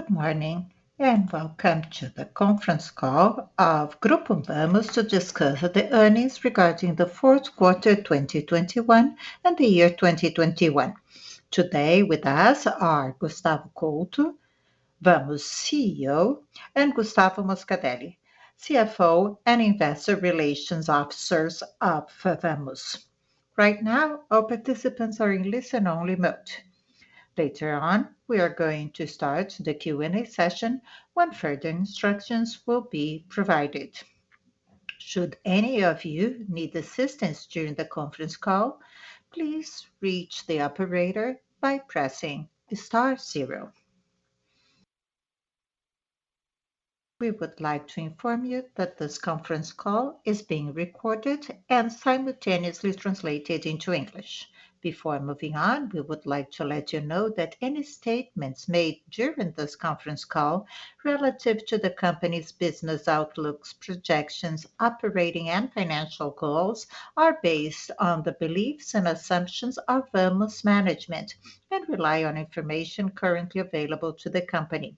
Good morning, and welcome to the Conference Call of Grupo Vamos to discuss the earnings regarding the fourth quarter 2021 and the year 2021. Today with us are Gustavo Couto, Vamos CEO, and Gustavo Moscatelli, CFO and Investor Relations Officer of Vamos. Right now, all participants are in listen-only mode. Later on, we are going to start the Q&A session when further instructions will be provided. Should any of you need assistance during the conference call, please reach the operator by pressing star zero. We would like to inform you that this conference call is being recorded and simultaneously translated into English. Before moving on, we would like to let you know that any statements made during this conference call relative to the company's business outlooks, projections, operating and financial goals are based on the beliefs and assumptions of Vamos management and rely on information currently available to the company.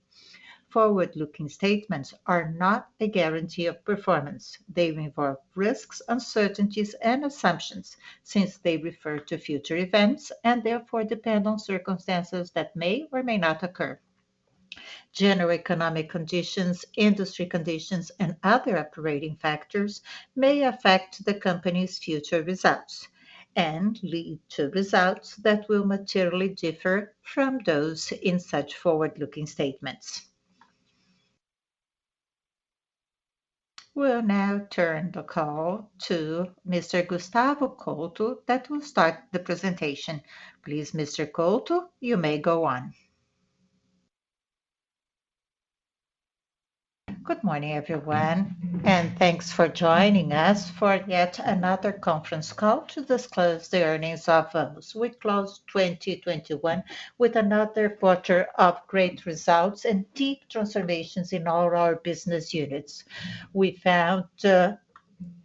Forward-looking statements are not a guarantee of performance. They involve risks, uncertainties and assumptions since they refer to future events and therefore depend on circumstances that may or may not occur. General economic conditions, industry conditions, and other operating factors may affect the company's future results and lead to results that will materially differ from those in such forward-looking statements. We'll now turn the call to Mr. Gustavo Couto that will start the presentation. Please, Mr. Couto, you may go on. Good morning, everyone, and thanks for joining us for yet another conference call to disclose the earnings of Vamos. We closed 2021 with another quarter of great results and deep transformations in all our business units. We found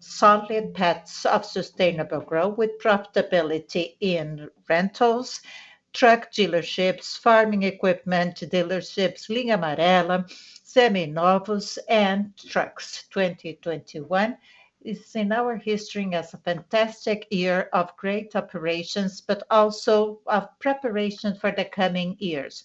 solid paths of sustainable growth with profitability in rentals, truck dealerships, farming equipment dealerships, linha amarela, Seminovos, and trucks. 2021 is in our history as a fantastic year of great operations but also of preparation for the coming years.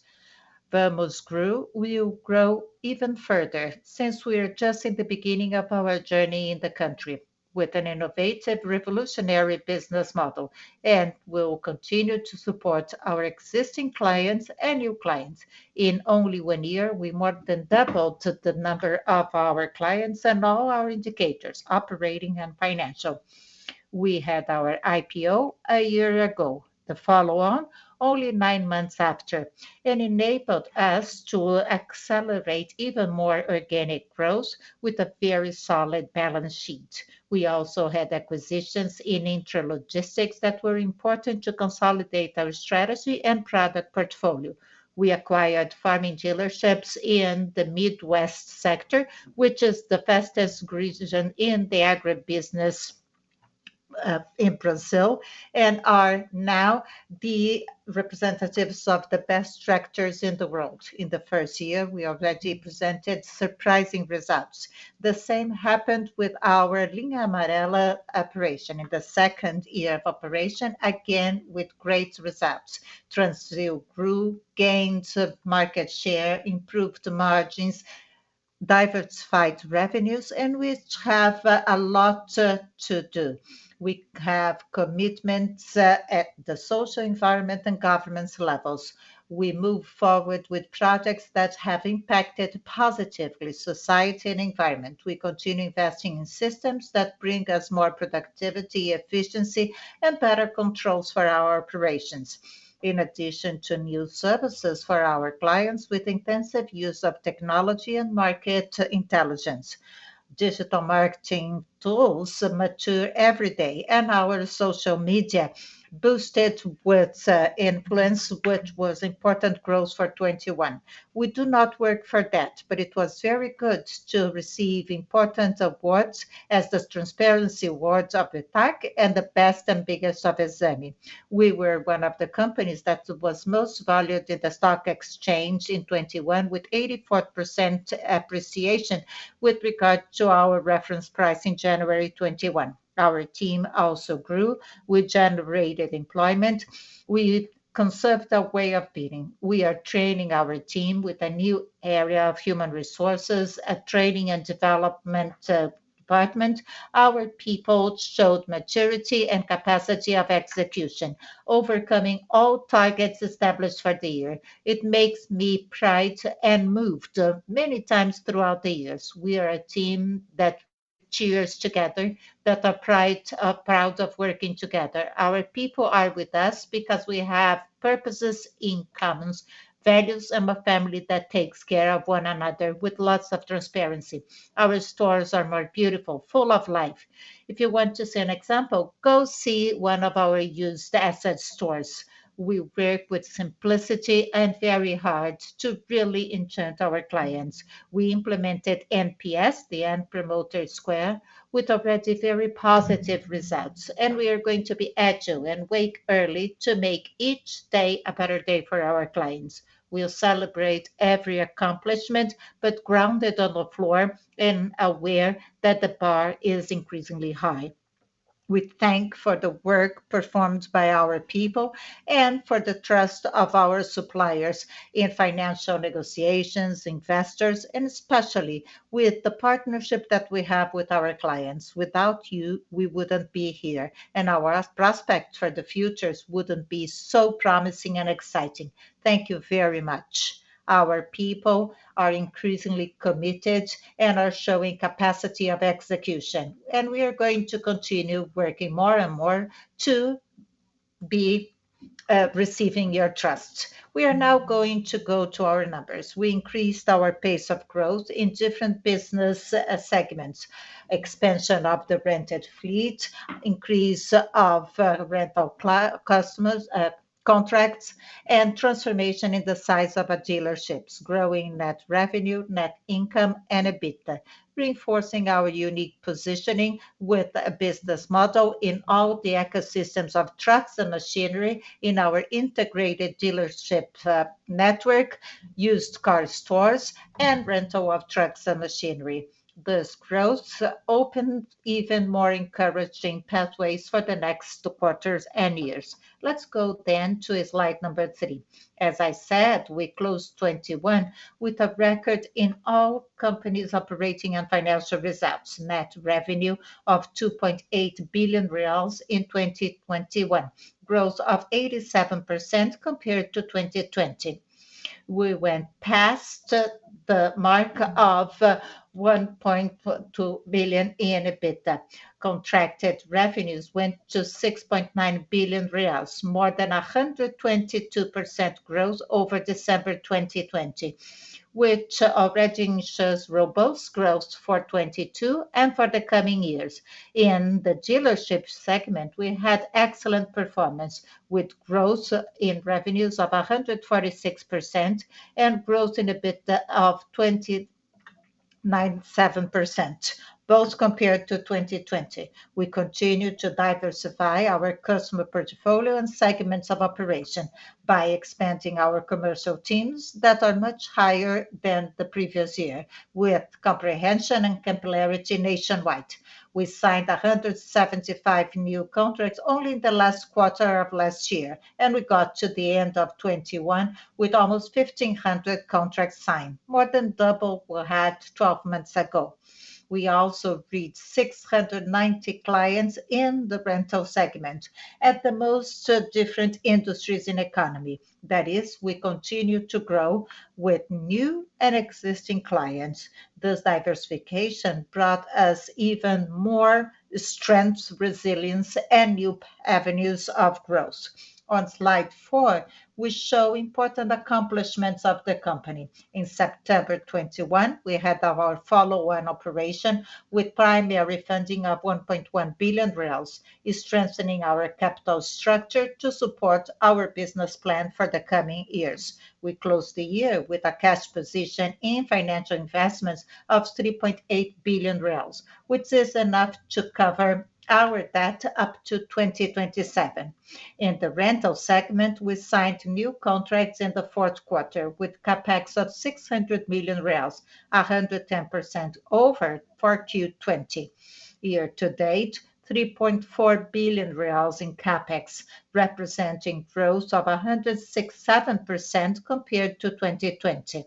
Vamos grew. We will grow even further since we are just at the beginning of our journey in the country with an innovative, revolutionary business model, and we will continue to support our existing clients and new clients. In only one year, we more than doubled the number of our clients and all our indicators, operating and financial. We had our IPO a year ago, the follow-on only nine months after. It enabled us to accelerate even more organic growth with a very solid balance sheet. We also had acquisitions in Intralogistics that were important to consolidate our strategy and product portfolio. We acquired farming dealerships in the Midwest sector, which is the fastest region in the agribusiness in Brazil, and are now the representatives of the best tractors in the world. In the first year, we already presented surprising results. The same happened with our Linha Amarela operation. In the second year of operation, again with great results. Transrio grew, gained market share, improved margins, diversified revenues, and we have a lot to do. We have commitments at the social and environmental and government levels. We move forward with projects that have impacted positively society and environment. We continue investing in systems that bring us more productivity, efficiency, and better controls for our operations. In addition to new services for our clients with intensive use of technology and market intelligence. Digital marketing tools mature every day, and our social media boosted with influence, which was important growth for 2021. We do not work for that, but it was very good to receive important awards as the Transparency Trophy of ANEFAC and the best and biggest of EXAME. We were one of the companies that was most valued at the stock exchange in 2021 with 84% appreciation with regard to our reference price in January 2021. Our team also grew. We generated employment. We conserved our way of being. We are training our team with a new area of human resources, a training and development department. Our people showed maturity and capacity of execution, overcoming all targets established for the year. It makes me proud and moved many times throughout the years. We are a team that cheers together, that are proud of working together. Our people are with us because we have purposes in common, values, and a family that takes care of one another with lots of transparency. Our stores are more beautiful, full of life. If you want to see an example, go see one of our used asset stores. We work with simplicity and very hard to really enchant our clients. We implemented NPS, the Net Promoter Score, with already very positive results, and we are going to be agile and wake early to make each day a better day for our clients. We'll celebrate every accomplishment, but grounded on the floor and aware that the bar is increasingly high. We thank for the work performed by our people and for the trust of our suppliers in financial negotiations, investors, and especially with the partnership that we have with our clients. Without you, we wouldn't be here, and our prospects for the future wouldn't be so promising and exciting. Thank you very much. Our people are increasingly committed and are showing capacity of execution, and we are going to continue working more and more to be receiving your trust. We are now going to go to our numbers. We increased our pace of growth in different business segments, expansion of the rented fleet, increase of rental customers, contracts, and transformation in the size of our dealerships, growing net revenue, net income, and EBITDA, reinforcing our unique positioning with a business model in all the ecosystems of trucks and machinery in our integrated dealership network, used car stores, and rental of trucks and machinery. This growth opened even more encouraging pathways for the next quarters and years. Let's go to slide number three. As I said, we closed 2021 with a record in all companies operating and financial results. Net revenue of 2.8 billion reais in 2021, growth of 87% compared to 2020. We went past the mark of 1.22 billion in EBITDA. Contracted revenues went to 6.9 billion reais, more than 122% growth over December 2020, which already shows robust growth for 2022 and for the coming years. In the dealership segment, we had excellent performance with growth in revenues of 146% and growth in EBITDA of 297%, both compared to 2020. We continue to diversify our customer portfolio and segments of operation by expanding our commercial teams that are much higher than the previous year with comprehension and popularity nationwide. We signed 175 new contracts only in the last quarter of last year, and we got to the end of 2021 with almost 1,500 contracts signed, more than double we had 12 months ago. We also reached 690 clients in the rental segment at the most different industries in economy. That is, we continue to grow with new and existing clients. This diversification brought us even more strength, resilience, and new avenues of growth. On Slide four, we show important accomplishments of the company. In September 2021, we had our follow-on operation with primary funding of 1.1 billion, is strengthening our capital structure to support our business plan for the coming years. We closed the year with a cash position in financial investments of 3.8 billion, which is enough to cover our debt up to 2027. In the rental segment, we signed new contracts in the fourth quarter with CapEx of 600 million reais, 110% over 4Q 2020. Year to date, 3.4 billion reais in CapEx, representing growth of 167% compared to 2020.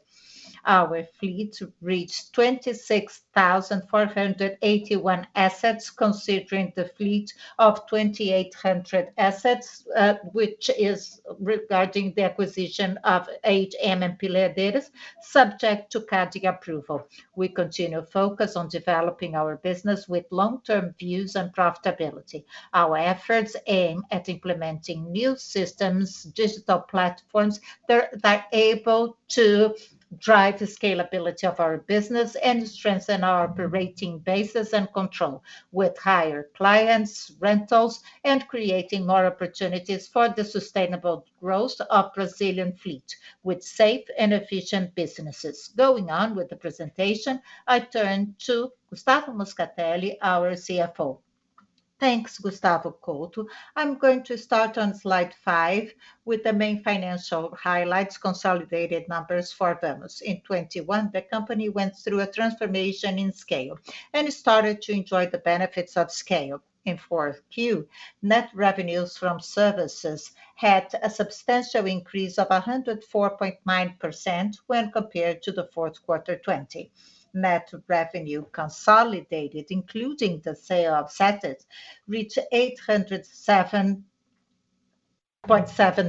Our fleet reached 26,481 assets, considering the fleet of 2,800 assets, which is regarding the acquisition of HM and Pilar Diniz, subject to CADE approval. We continue focus on developing our business with long-term views and profitability. Our efforts aim at implementing new systems, digital platforms that are able to drive the scalability of our business and strengthen our operating bases and control with higher clients, rentals, and creating more opportunities for the sustainable growth of Brazilian fleet with safe and efficient businesses. Going on with the presentation, I turn to Gustavo Moscatelli, our CFO. Thanks, Gustavo Couto. I'm going to start on slide five with the main financial highlights, consolidated numbers for Vamos. In 2021, the company went through a transformation in scale and started to enjoy the benefits of scale. In 4Q, net revenues from services had a substantial increase of 104.9% when compared to the fourth quarter 2020. Net revenue consolidated, including the sale of assets, reached 807.7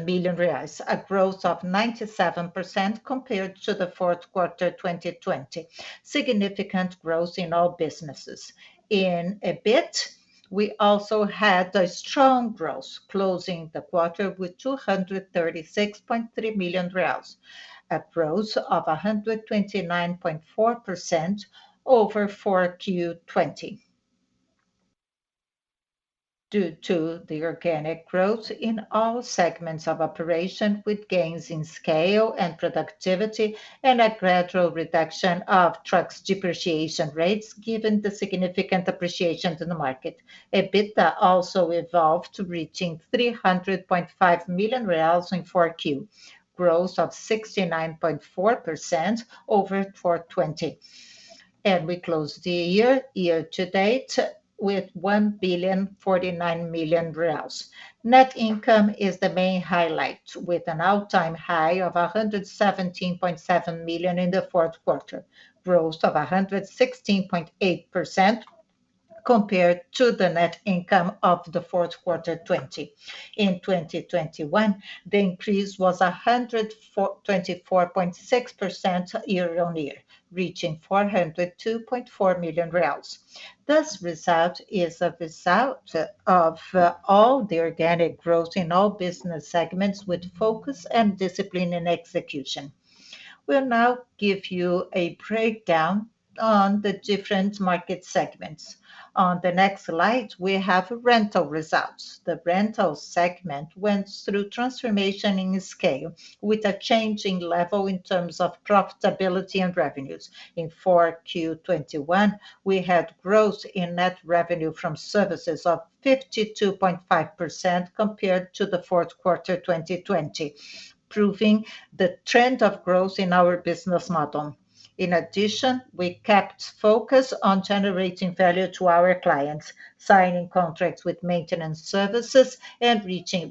million reais, a growth of 97% compared to the fourth quarter 2020. Significant growth in all businesses. In EBIT, we also had a strong growth closing the quarter with 236.3 million reais, a growth of 129.4% over 4Q 2020. Due to the organic growth in all segments of operation with gains in scale and productivity and a gradual reduction of trucks depreciation rates, given the significant appreciation to the market. EBITDA also evolved to reaching 300.5 million reais in Q4, growth of 69.4% over Q4 2020. We closed the year-to-date with 1,049 million reais. Net income is the main highlight, with an all-time high of 117.7 million in the fourth quarter, growth of 116.8% compared to the net income of the fourth quarter 2020. In 2021, the increase was 124.6% year-on-year, reaching 402.4 million. This result is a result of all the organic growth in all business segments with focus and discipline in execution. We'll now give you a breakdown on the different market segments. On the next slide, we have rental results. The rental segment went through transformation in scale with a change in level in terms of profitability and revenues. In 4Q 2021, we had growth in net revenue from services of 52.5% compared to the fourth quarter 2020, proving the trend of growth in our business model. In addition, we kept focus on generating value to our clients, signing contracts with maintenance services and reaching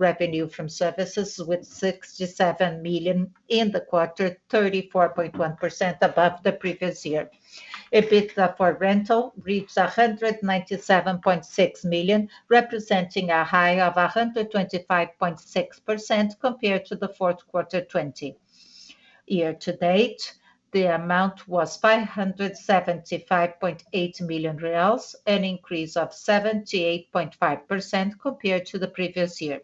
revenue from services with 67 million in the quarter, 34.1% above the previous year. EBITDA for rental reached 197.6 million, representing a high of 125.6% compared to the fourth quarter 2020. Year-to-date, the amount was 575.8 million reais, an increase of 78.5% compared to the previous year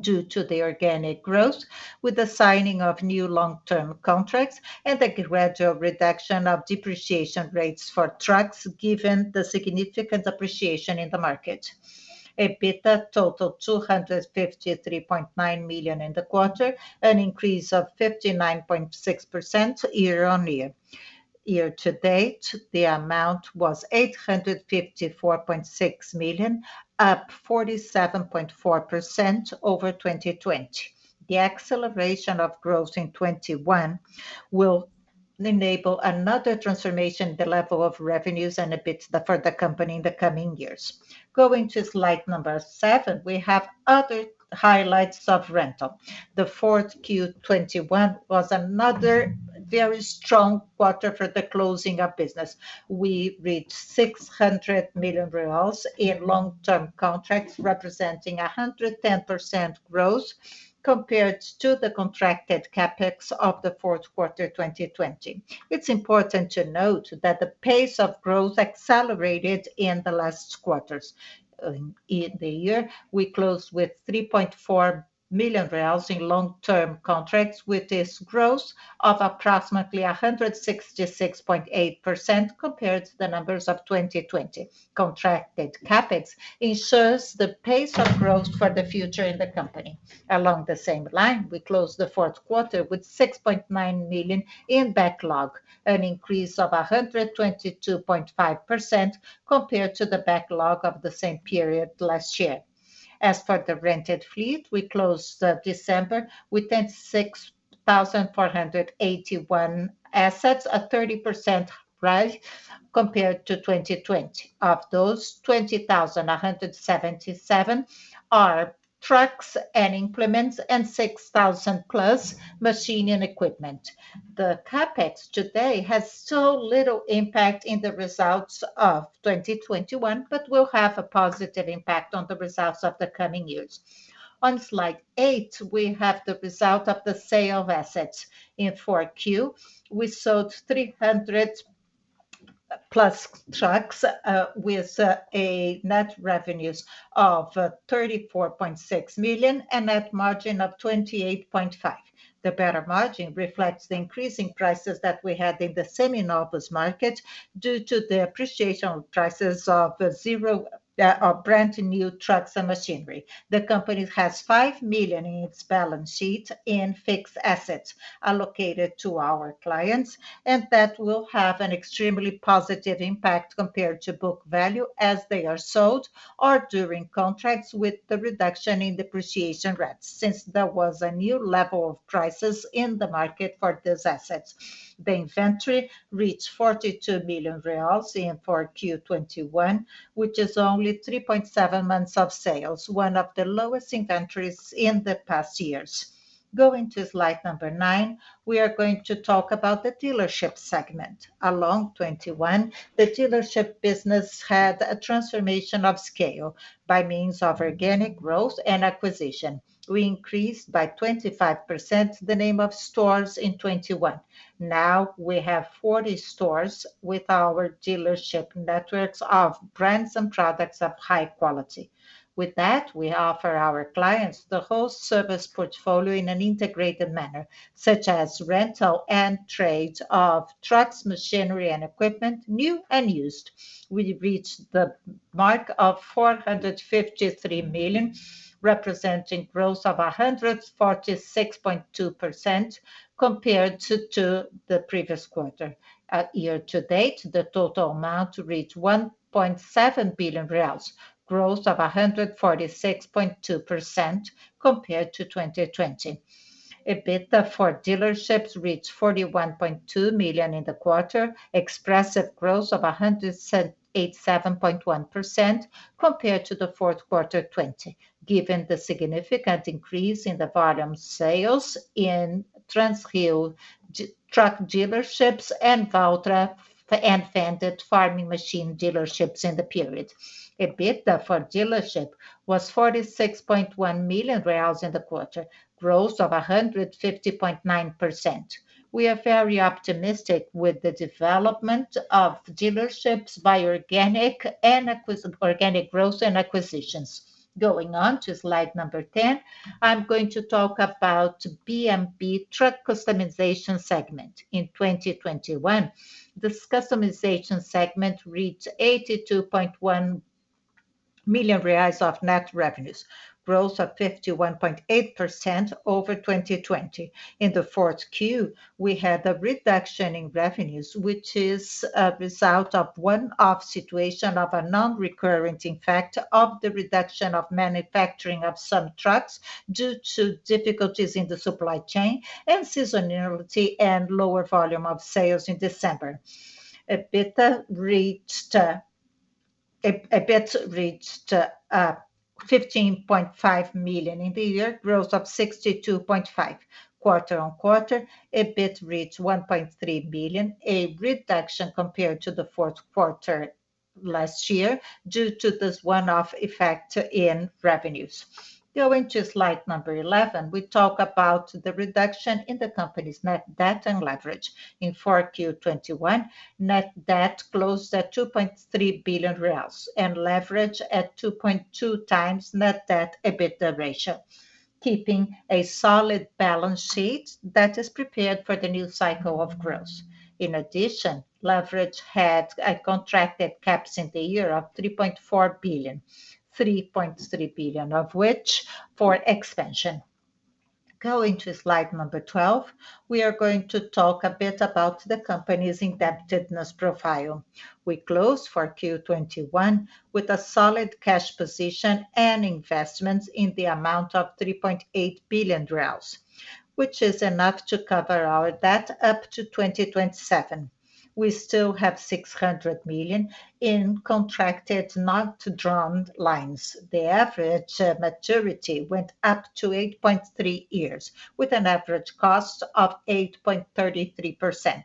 due to the organic growth with the signing of new long-term contracts and the gradual reduction of depreciation rates for trucks given the significant appreciation in the market. EBITDA totaled 253.9 million in the quarter, an increase of 59.6% year-on-year. Year-to-date, the amount was 854.6 million, up 47.4% over 2020. The acceleration of growth in 2021 will enable another transformation at the level of revenues and EBITDA for the company in the coming years. Going to slide number seven, we have other highlights of rental. The Q4 2021 was another very strong quarter for the closing of business. We reached 600 million reais in long-term contracts, representing 110% growth compared to the contracted CapEx of the fourth quarter 2020. It's important to note that the pace of growth accelerated in the last quarters. In the year, we closed with 3.4 million reais in long-term contracts, with this growth of approximately 166.8% compared to the numbers of 2020. Contracted CapEx ensures the pace of growth for the future in the company. Along the same line, we closed the fourth quarter with 6.9 million in backlog, an increase of 122.5% compared to the backlog of the same period last year. As for the rented fleet, we closed December with 16,481 assets, a 30% rise compared to 2020. Of those, 20,177 are trucks and implements and 6,000+ machines and equipment. The CapEx today has so little impact in the results of 2021, but will have a positive impact on the results of the coming years. On Slide eight, we have the result of the sale of assets. In Q4, we sold 300+ trucks with a net revenues of 34.6 million and net margin of 28.5%. The better margin reflects the increasing prices that we had in the seminovos market due to the appreciation of prices of brand new trucks and machinery. The company has 5 million in its balance sheet in fixed assets allocated to our clients, and that will have an extremely positive impact compared to book value as they are sold or during contracts with the reduction in depreciation rates since there was a new level of prices in the market for these assets. The inventory reached 42 million reais in 4Q 2021, which is only 3.7 months of sales, one of the lowest inventories in the past years. Going to slide number nine, we are going to talk about the dealership segment. In 2021, the dealership business had a transformation of scale by means of organic growth and acquisition. We increased by 25% the number of stores in 2021. Now we have 40 stores with our dealership networks of brands and products of high quality. With that, we offer our clients the whole service portfolio in an integrated manner, such as rental and trade of trucks, machinery and equipment, new and used. We reached the mark of 453 million, representing growth of 146.2% compared to the previous quarter. Year-to-date, the total amount reached 1.7 billion reais, growth of 146.2% compared to 2020. EBITDA for dealerships reached 41.2 million in the quarter, expressive growth of 107.1% compared to the fourth quarter 2020, given the significant increase in the volume sales in Transrio Truck Dealerships and Valtra and Fendt farm machinery dealerships in the period. EBITDA for dealership was 46.1 million reais in the quarter, growth of 150.9%. We are very optimistic with the development of dealerships by organic growth and acquisitions. Going on to Slide 10, I'm going to talk about BMB truck customization segment. In 2021, this customization segment reached 82.1 million reais of net revenues, growth of 51.8% over 2020. In Q4, we had a reduction in revenues, which is a result of one-off situation of a non-recurring factor of the reduction of manufacturing of some trucks due to difficulties in the supply chain and seasonality and lower volume of sales in December. EBITDA reached 15.5 million in the year, growth of 62.5%. Quarter-on-quarter, EBIT reached 1.3 million, a reduction compared to the fourth quarter last year due to this one-off effect in revenues. Going to Slide 11, we talk about the reduction in the company's net debt and leverage. In 4Q 2021, net debt closed at 2.3 billion reais and leverage at 2.2x net debt/EBITDA ratio, keeping a solid balance sheet that is prepared for the new cycle of growth. In addition, leverage had a contracted CapEx in the year of 3.4 billion, 3.3 billion of which for expansion. Going to Slide 12, we are going to talk a bit about the company's indebtedness profile. We closed for Q 2021 with a solid cash position and investments in the amount of BRL 3.8 billion, which is enough to cover our debt up to 2027. We still have 600 million in contracted, not drawn lines. The average maturity went up to 8.3 years with an average cost of 8.33%.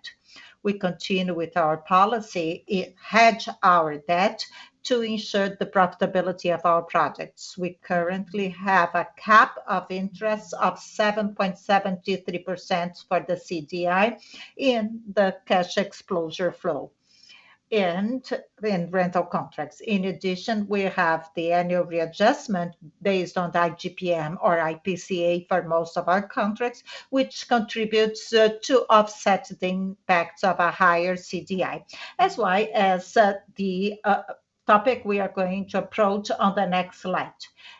We continue with our policy. We hedge our debt to ensure the profitability of our projects. We currently have a cap of interest of 7.73% for the CDI in the cash flow exposure and in rental contracts. In addition, we have the annual readjustment based on the IGPM or IPCA for most of our contracts, which contributes to offset the impacts of a higher CDI. As well as the topic we are going to approach on the next slide.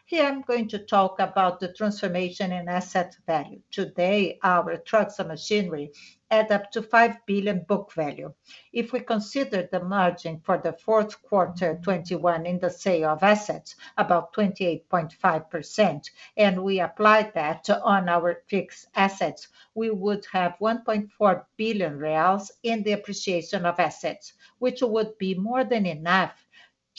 Here, I'm going to talk about the transformation in asset value. Today, our trucks and machinery add up to 5 billion book value. If we consider the margin for the fourth quarter 2021 in the sale of assets, about 28.5%, and we apply that on our fixed assets, we would have 1.4 billion reais in the appreciation of assets, which would be more than enough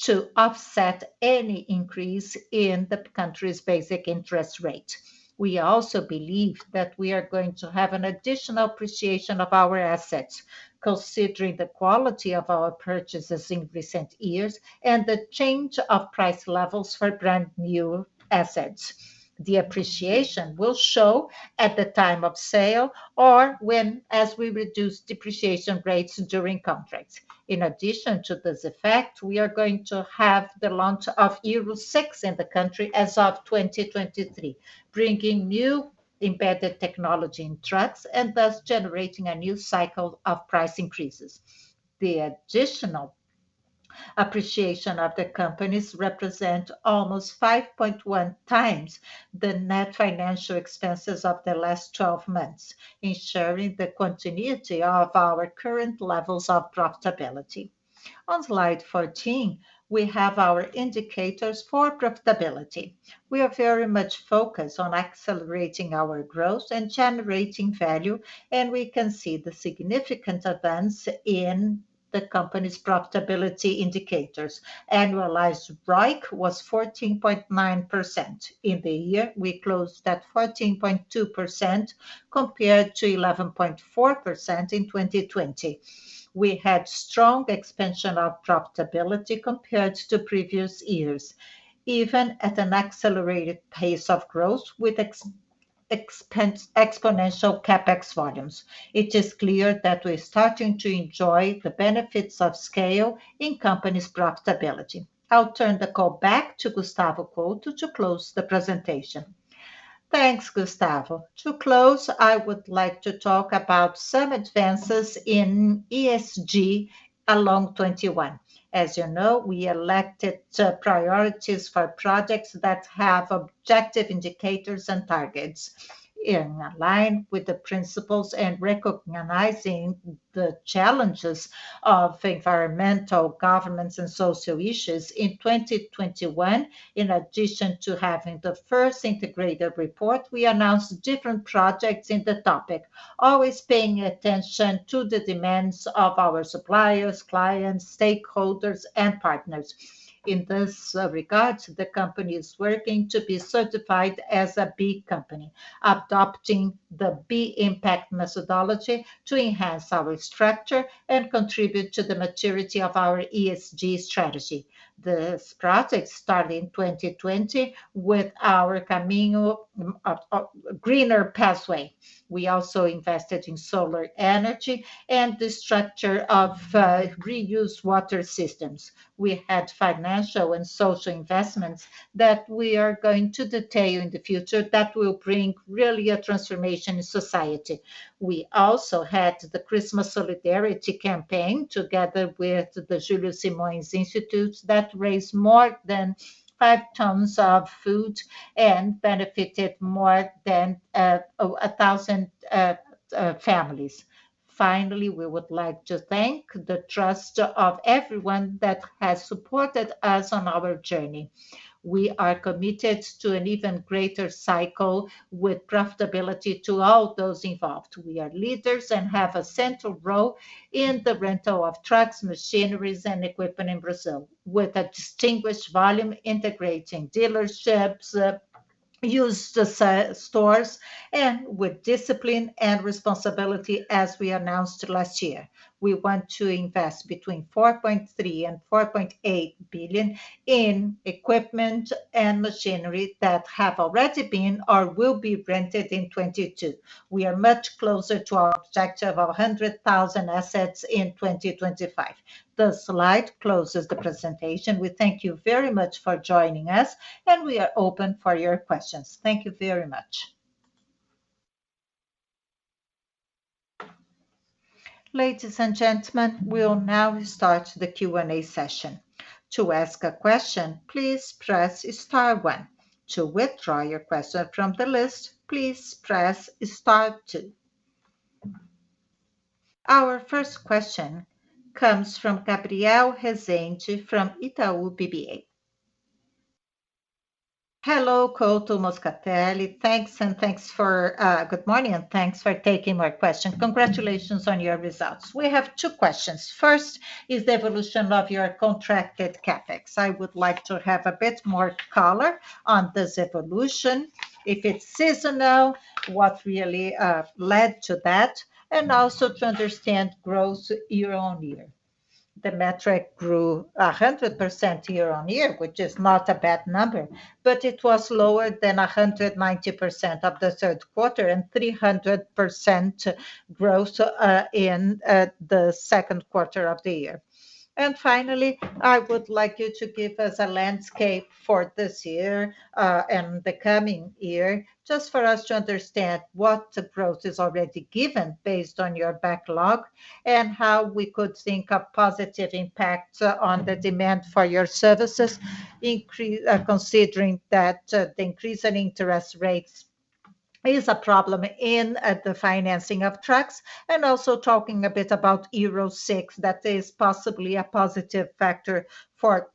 to offset any increase in the country's basic interest rate. We also believe that we are going to have an additional appreciation of our assets considering the quality of our purchases in recent years and the change of price levels for brand-new assets. The appreciation will show at the time of sale or when, as we reduce depreciation rates during contracts. In addition to this effect, we are going to have the launch of Euro VI in the country as of 2023, bringing new embedded technology in trucks and thus generating a new cycle of price increases. The additional appreciation of the companies represent almost 5.1x the net financial expenses of the last 12 months, ensuring the continuity of our current levels of profitability. On Slide 14, we have our indicators for profitability. We are very much focused on accelerating our growth and generating value, and we can see the significant advance in the company's profitability indicators. Annualized ROIC was 14.9%. In the year, we closed at 14.2% compared to 11.4% in 2020. We had strong expansion of profitability compared to previous years, even at an accelerated pace of growth with exponential CapEx volumes. It is clear that we're starting to enjoy the benefits of scale in company's profitability. I'll turn the call back to Gustavo Couto to close the presentation. Thanks, Gustavo. To close, I would like to talk about some advances in ESG in 2021. As you know, we elected two priorities for projects that have objective indicators and targets in line with the principles and recognizing the challenges of environmental, governance, and social issues. In 2021, in addition to having the first integrated report, we announced different projects in the topic, always paying attention to the demands of our suppliers, clients, stakeholders, and partners. In this regard, the company is working to be certified as a B Corp, adopting the B Impact methodology to enhance our structure and contribute to the maturity of our ESG strategy. This project started in 2020 with our Caminho greener pathway. We also invested in solar energy and the structure of reused water systems. We had financial and social investments that we are going to detail in the future that will bring really a transformation in society. We also had the Christmas solidarity campaign together with the Julio Simões Institute that raised more than five tons of food and benefited more than 1,000 families. Finally, we would like to thank the trust of everyone that has supported us on our journey. We are committed to an even greater cycle with profitability to all those involved. We are leaders and have a central role in the rental of trucks, machineries, and equipment in Brazil with a distinguished volume integrating dealerships, used sales stores, and with discipline and responsibility as we announced last year. We want to invest between 4.3 billion and 4.8 billion in equipment and machinery that have already been or will be rented in 2022. We are much closer to our objective of 100,000 assets in 2025. This slide closes the presentation. We thank you very much for joining us, and we are open for your questions. Thank you very much. Our first question comes from Gabriel Rezende from Itaú BBA. Hello, Couto, Moscatelli. Good morning and thanks for taking my question. Congratulations on your results. We have two questions. First is the evolution of your contracted CapEx. I would like to have a bit more color on this evolution, if it's seasonal, what really led to that, and also to understand growth year-on-year. The metric grew 100% year-on-year, which is not a bad number, but it was lower than 190% of the third quarter and 300% growth in the second quarter of the year. Finally, I would like you to give us a landscape for this year, and the coming year, just for us to understand what growth is already given based on your backlog and how we could think a positive impact on the demand for your services, considering that, the increase in interest rates is a problem in, the financing of trucks, and also talking a bit about Euro VI that is possibly a positive factor for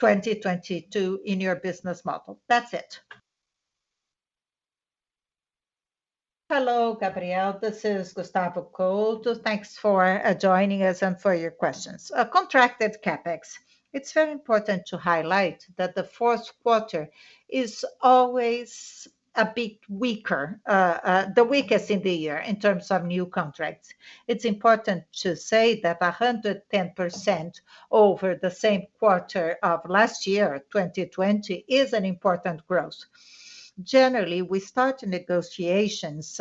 2022 in your business model. That's it. Hello, Gabriel. This is Gustavo Couto. Thanks for joining us and for your questions. Contracted CapEx, it's very important to highlight that the fourth quarter is always a bit weaker, the weakest in the year in terms of new contracts. It's important to say that 110% over the same quarter of last year, 2020, is an important growth. Generally, we start negotiations,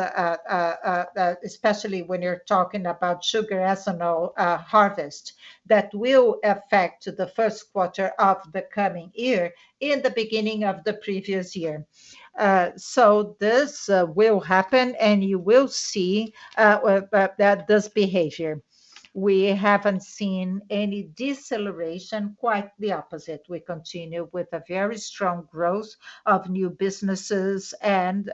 especially when you're talking about sugar ethanol harvest, that will affect the first quarter of the coming year in the beginning of the previous year. So this will happen, and you will see that this behavior. We haven't seen any deceleration, quite the opposite. We continue with a very strong growth of new businesses and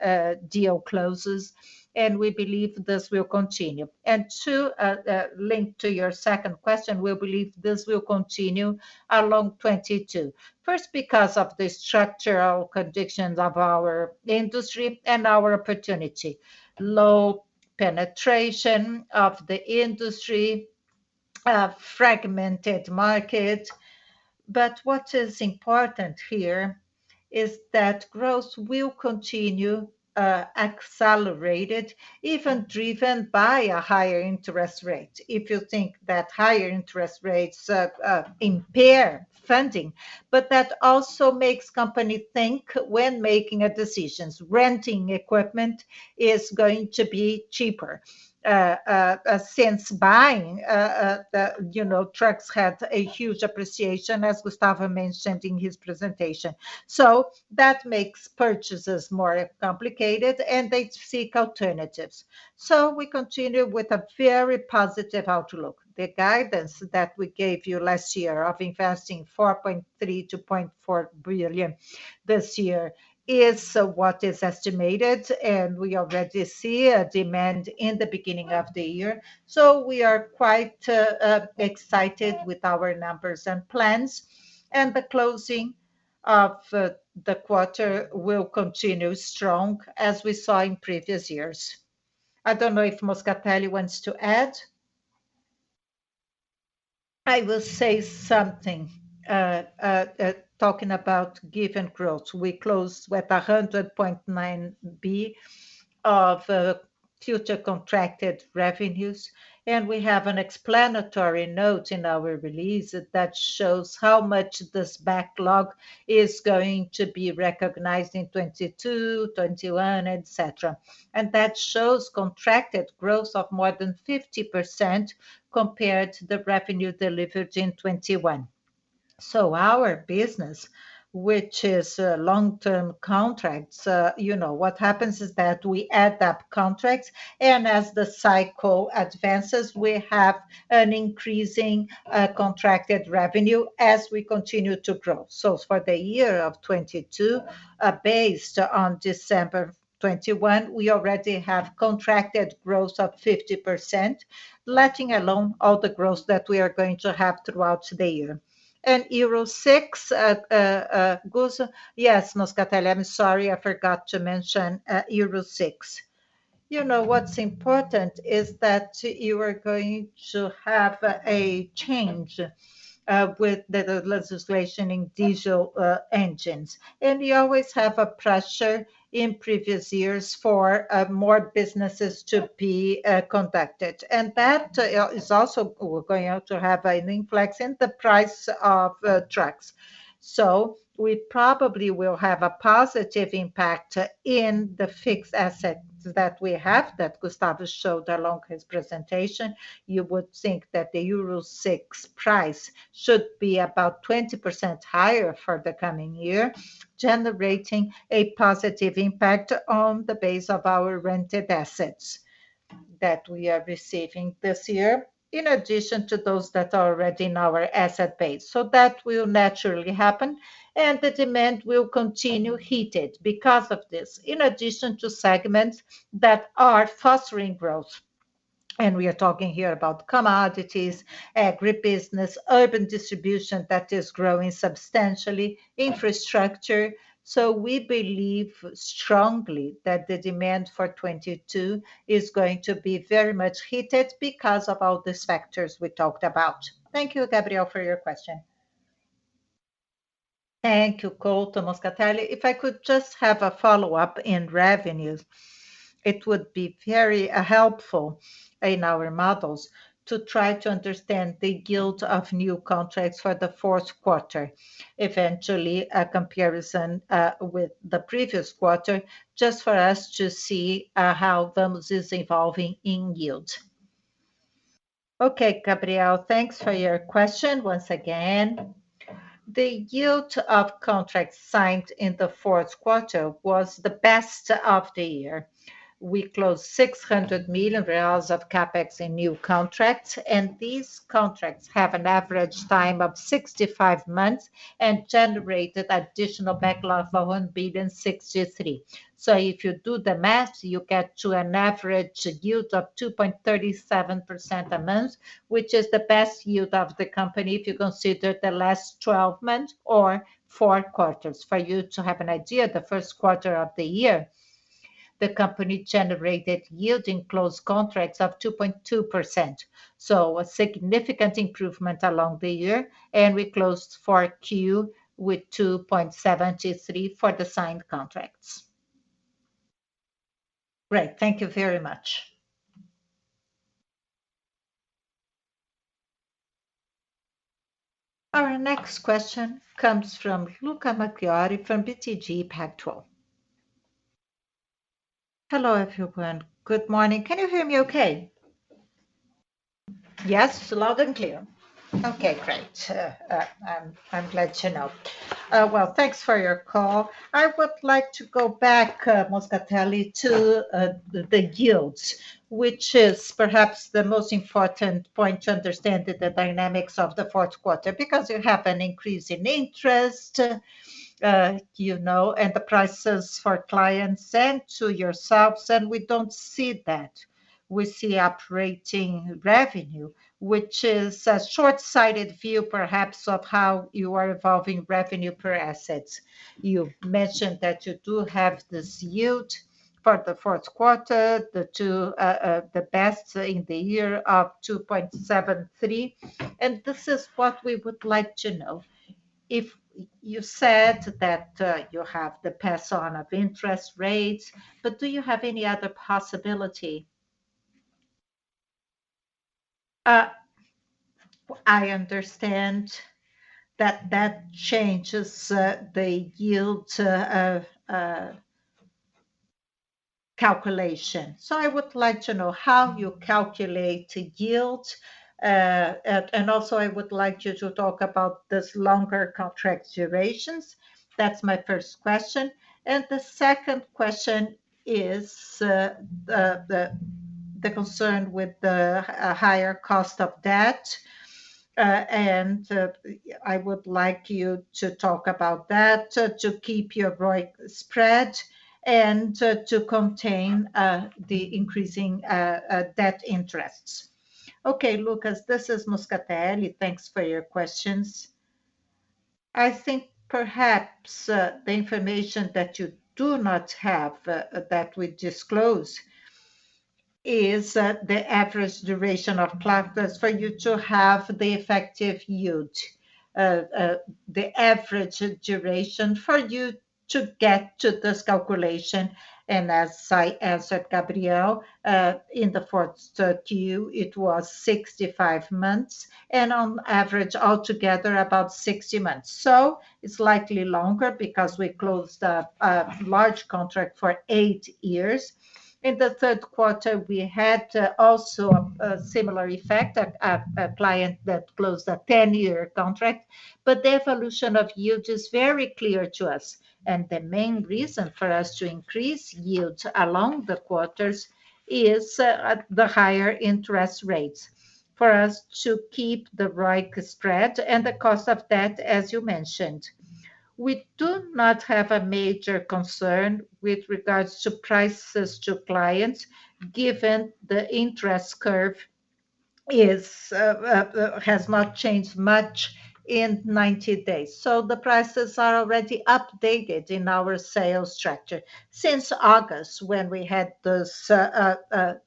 deal closes, and we believe this will continue. To link to your second question, we believe this will continue along 2022. First, because of the structural conditions of our industry and our opportunity. Low penetration of the industry, fragmented market. What is important here is that growth will continue, accelerated, even driven by a higher interest rate. If you think that higher interest rates impair funding, but that also makes companies think when making decisions. Renting equipment is going to be cheaper, since buying, you know, trucks had a huge appreciation, as Gustavo mentioned in his presentation. We continue with a very positive outlook. The guidance that we gave you last year of investing 4.3 billion-4.4 billion this year is what is estimated, and we already see demand in the beginning of the year. We are quite excited with our numbers and plans, and the closing of the quarter will continue strong as we saw in previous years. I don't know if Moscatelli wants to add. I will say something. Talking about given growth, we closed with 100.9 billion of future contracted revenues. We have an explanatory note in our release that shows how much this backlog is going to be recognized in 2022, 2021, etc. That shows contracted growth of more than 50% compared to the revenue delivered in 2021. Our business, which is long-term contracts, you know, what happens is that we add up contracts, and as the cycle advances, we have an increasing contracted revenue as we continue to grow. For the year of 2022, based on December 2021, we already have contracted growth of 50%, let alone all the growth that we are going to have throughout the year. Euro VI, Gus... Yes, Moscatelli, I'm sorry. I forgot to mention Euro VI. You know, what's important is that you are going to have a change with the legislation in diesel engines. You always have a pressure in previous years for more businesses to be contacted. That is also going to have an influx in the price of trucks. We probably will have a positive impact in the fixed assets that we have that Gustavo showed along his presentation. You would think that the Euro VI price should be about 20% higher for the coming year, generating a positive impact on the base of our rented assets that we are receiving this year, in addition to those that are already in our asset base. That will naturally happen, and the demand will continue heated because of this, in addition to segments that are fostering growth. We are talking here about commodities, agribusiness, urban distribution that is growing substantially, infrastructure. We believe strongly that the demand for 2022 is going to be very much heated because of all these factors we talked about. Thank you, Gabriel, for your question. Thank you, Gustavo, Moscatelli. If I could just have a follow-up in revenues. It would be very helpful in our models to try to understand the yield of new contracts for the fourth quarter, eventually a comparison with the previous quarter, just for us to see how Vamos is evolving in yield. Okay, Gabriel, thanks for your question once again. The yield of contracts signed in the fourth quarter was the best of the year. We closed 600 million reais of CapEx in new contracts, and these contracts have an average time of 65 months and generated additional backlog of 1.063 billion. If you do the math, you get to an average yield of 2.37% a month, which is the best yield of the company if you consider the last 12 months or four quarters. For you to have an idea, the first quarter of the year, the company generated yield in closed contracts of 2.2%. A significant improvement along the year, and we closed Q4 with 2.73% for the signed contracts. Great. Thank you very much. Our next question comes from Lucas Marquiori from BTG Pactual. Hello, everyone. Good morning. Can you hear me okay? Yes, loud and clear. Okay, great. I'm glad to know. Well, thanks for your call. I would like to go back, Moscatelli, to the yields, which is perhaps the most important point to understand the dynamics of the fourth quarter, because you have an increase in interest, you know, and the prices for clients and to yourselves, and we don't see that. We see operating revenue, which is a short-sighted view, perhaps, of how you are evolving revenue per assets. You've mentioned that you do have this yield for the fourth quarter, 2.73%, the best in the year, and this is what we would like to know. If you said that you have the pass on of interest rates, but do you have any other possibility? I understand that that changes the yield calculation. I would like to know how you calculate the yield. And also, I would like you to talk about this longer contract durations. That's my first question. The second question is the concern with the higher cost of debt. I would like you to talk about that to keep your ROIC spread and to contain the increasing debt interests. Lucas, this is Moscatelli. Thanks for your questions. I think perhaps the information that you do not have that we disclose is the average duration of platforms for you to have the effective yield. The average duration for you to get to this calculation, and as I answered Gabriel in the fourth Q, it was 65 months and on average altogether about 60 months. It's likely longer because we closed a large contract for eight years. In the third quarter, we had also a similar effect, a client that closed a 10-year contract. The evolution of yield is very clear to us. The main reason for us to increase yields along the quarters is the higher interest rates for us to keep the ROIC spread and the cost of debt, as you mentioned. We do not have a major concern with regards to prices to clients, given the interest curve has not changed much in 90 days. The prices are already updated in our sales structure since August when we had this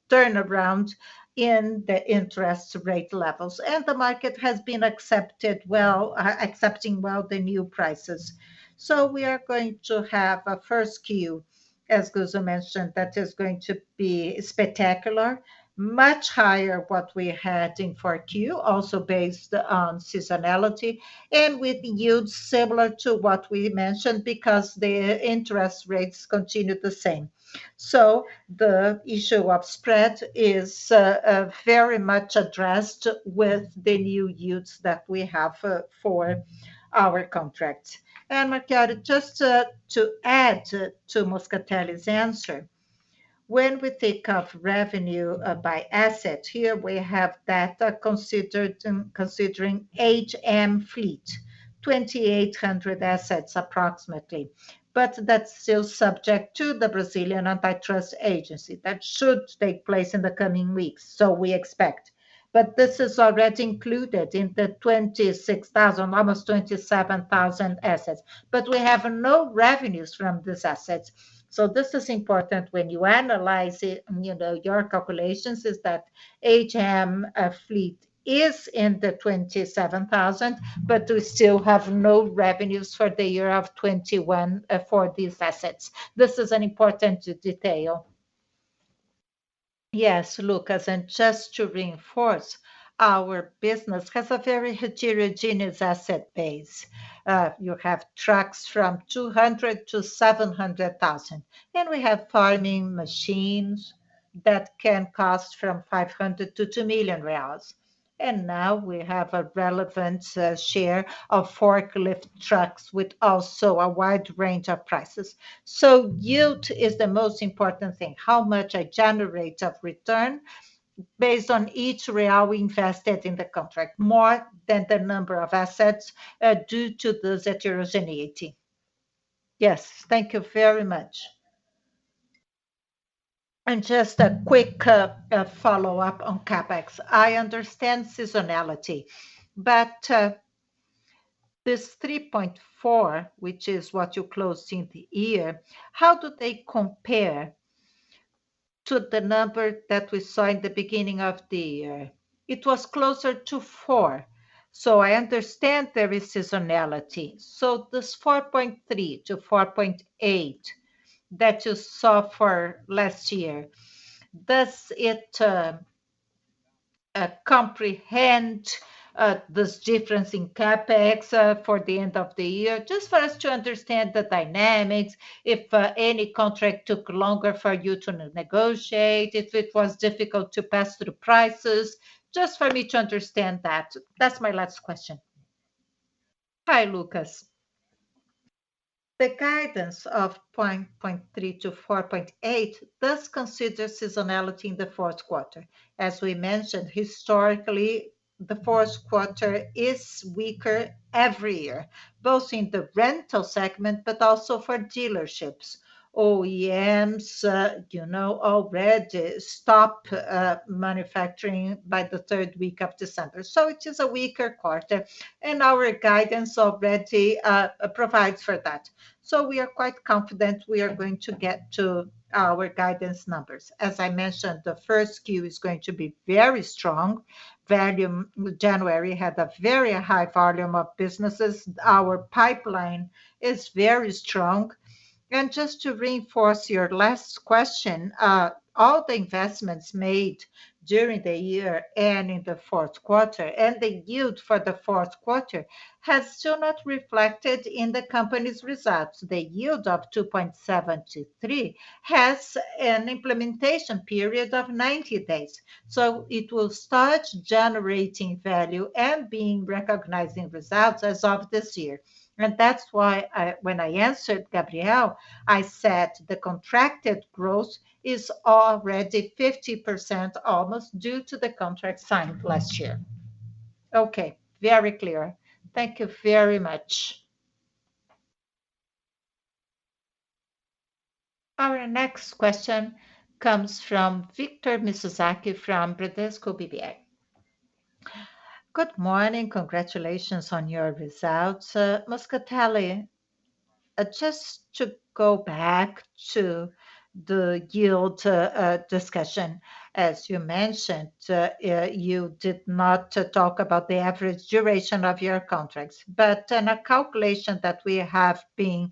turnaround in the interest rate levels. The market has been accepted well, accepting well the new prices. We are going to have a first Q, as Gustavo mentioned, that is going to be spectacular, much higher what we had in 4Q, also based on seasonality and with yields similar to what we mentioned because the interest rates continued the same. The issue of spread is very much addressed with the new yields that we have for our contract. Lucas Marquiori, just to add to Moscatelli's answer, when we think of revenue by asset, here we have data considered, considering HM fleet, 2,800 assets approximately. That's still subject to the Brazilian Antitrust Agency. That should take place in the coming weeks, we expect. This is already included in the 26,000, almost 27,000 assets. We have no revenues from these assets. This is important when you analyze it, you know, your calculations is that HM fleet is in the 27,000, but we still have no revenues for the year of 2021 for these assets. This is an important detail. Yes, Lucas, and just to reinforce, our business has a very heterogeneous asset base. You have trucks from 200,000-700,000. Then we have farming machines that can cost from 500,000-2 million reais. Now we have a relevant share of forklift trucks with also a wide range of prices. Yield is the most important thing. How much I generate of return based on each real we invested in the contract, more than the number of assets, due to this heterogeneity. Yes. Thank you very much. Just a quick follow-up on CapEx. I understand seasonality, but this 3.4%, which is what you closed in the year, how do they compare to the number that we saw in the beginning of the year? It was closer to 4%. I understand there is seasonality. This 4.3%-4.8% that you saw for last year, does it comprehend this difference in CapEx for the end of the year? Just for us to understand the dynamics, if any contract took longer for you to negotiate, if it was difficult to pass through the prices. Just for me to understand that. That's my last question. Hi, Lucas. The guidance of 3.3%-4.8% does consider seasonality in the fourth quarter. As we mentioned, historically the fourth quarter is weaker every year, both in the rental segment, but also for dealerships. OEMs already stop manufacturing by the third week of December. It is a weaker quarter. Our guidance already provides for that. We are quite confident we are going to get to our guidance numbers. As I mentioned, the first Q is going to be very strong. Volume January had a very high volume of businesses. Our pipeline is very strong. Just to reinforce your last question, all the investments made during the year and in the fourth quarter and the yield for the fourth quarter has still not reflected in the company's results. The yield of 2.73% has an implementation period of 90 days, so it will start generating value and being recognizing results as of this year. That's why when I answered Gabriel, I said the contracted growth is already 50% almost due to the contract signed last year. Okay. Very clear. Thank you very much. Our next question comes from Victor Mizusaki from Bradesco BBI. Good morning. Congratulations on your results. Moscatelli, just to go back to the yield discussion. As you mentioned, you did not talk about the average duration of your contracts, but in a calculation that we have been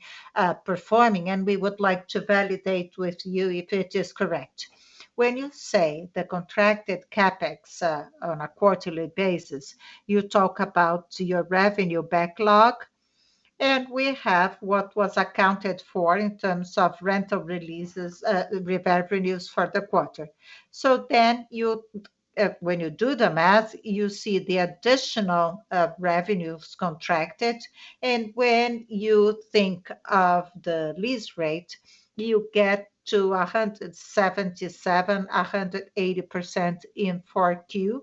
performing, and we would like to validate with you if it is correct. When you say the contracted CapEx on a quarterly basis, you talk about your revenue backlog, and we have what was accounted for in terms of rental releases revenues for the quarter. When you do the math, you see the additional revenues contracted. When you think of the lease rate, you get to 177%-180% in 4Q.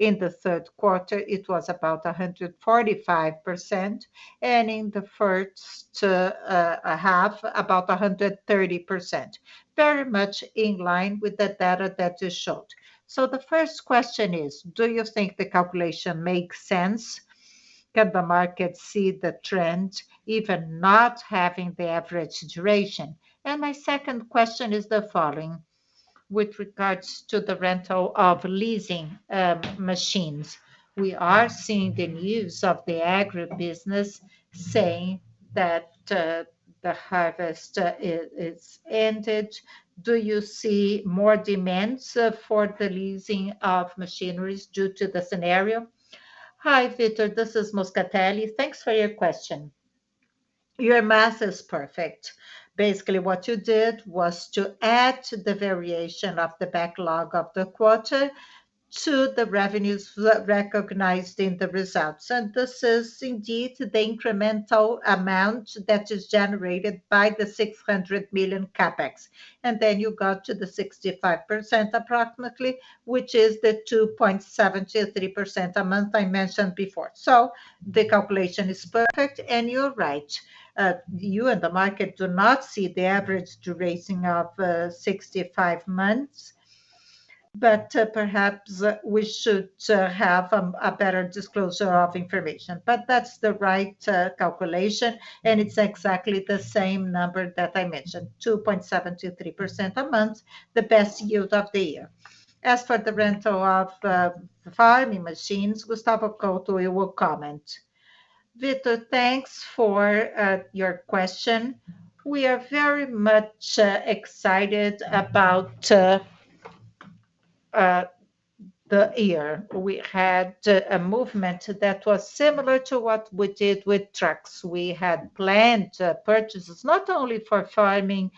In the third quarter, it was about 145%. In the first half, about 130%. Very much in line with the data that you showed. The first question is, do you think the calculation makes sense? Can the market see the trend even not having the average duration? My second question is the following: with regards to the rental and leasing machines, we are seeing the news of the agribusiness saying that the harvest is ended. Do you see more demand for the leasing of machinery due to the scenario? Hi, Victor. This is Moscatelli. Thanks for your question. Your math is perfect. Basically, what you did was to add the variation of the backlog of the quarter to the revenues recognized in the results. This is indeed the incremental amount that is generated by the 600 million CapEx. Then you got to the 65% approximately, which is the 2.73% a month I mentioned before. The calculation is perfect. You're right, you and the market do not see the average duration of 65 months. Perhaps we should have a better disclosure of information. That's the right calculation, and it's exactly the same number that I mentioned, 2.73% a month, the best yield of the year. As for the rental of farming machines, Gustavo Couto will comment. Victor, thanks for your question. We are very much excited about the year. We had a movement that was similar to what we did with trucks. We had planned purchases, not only for farming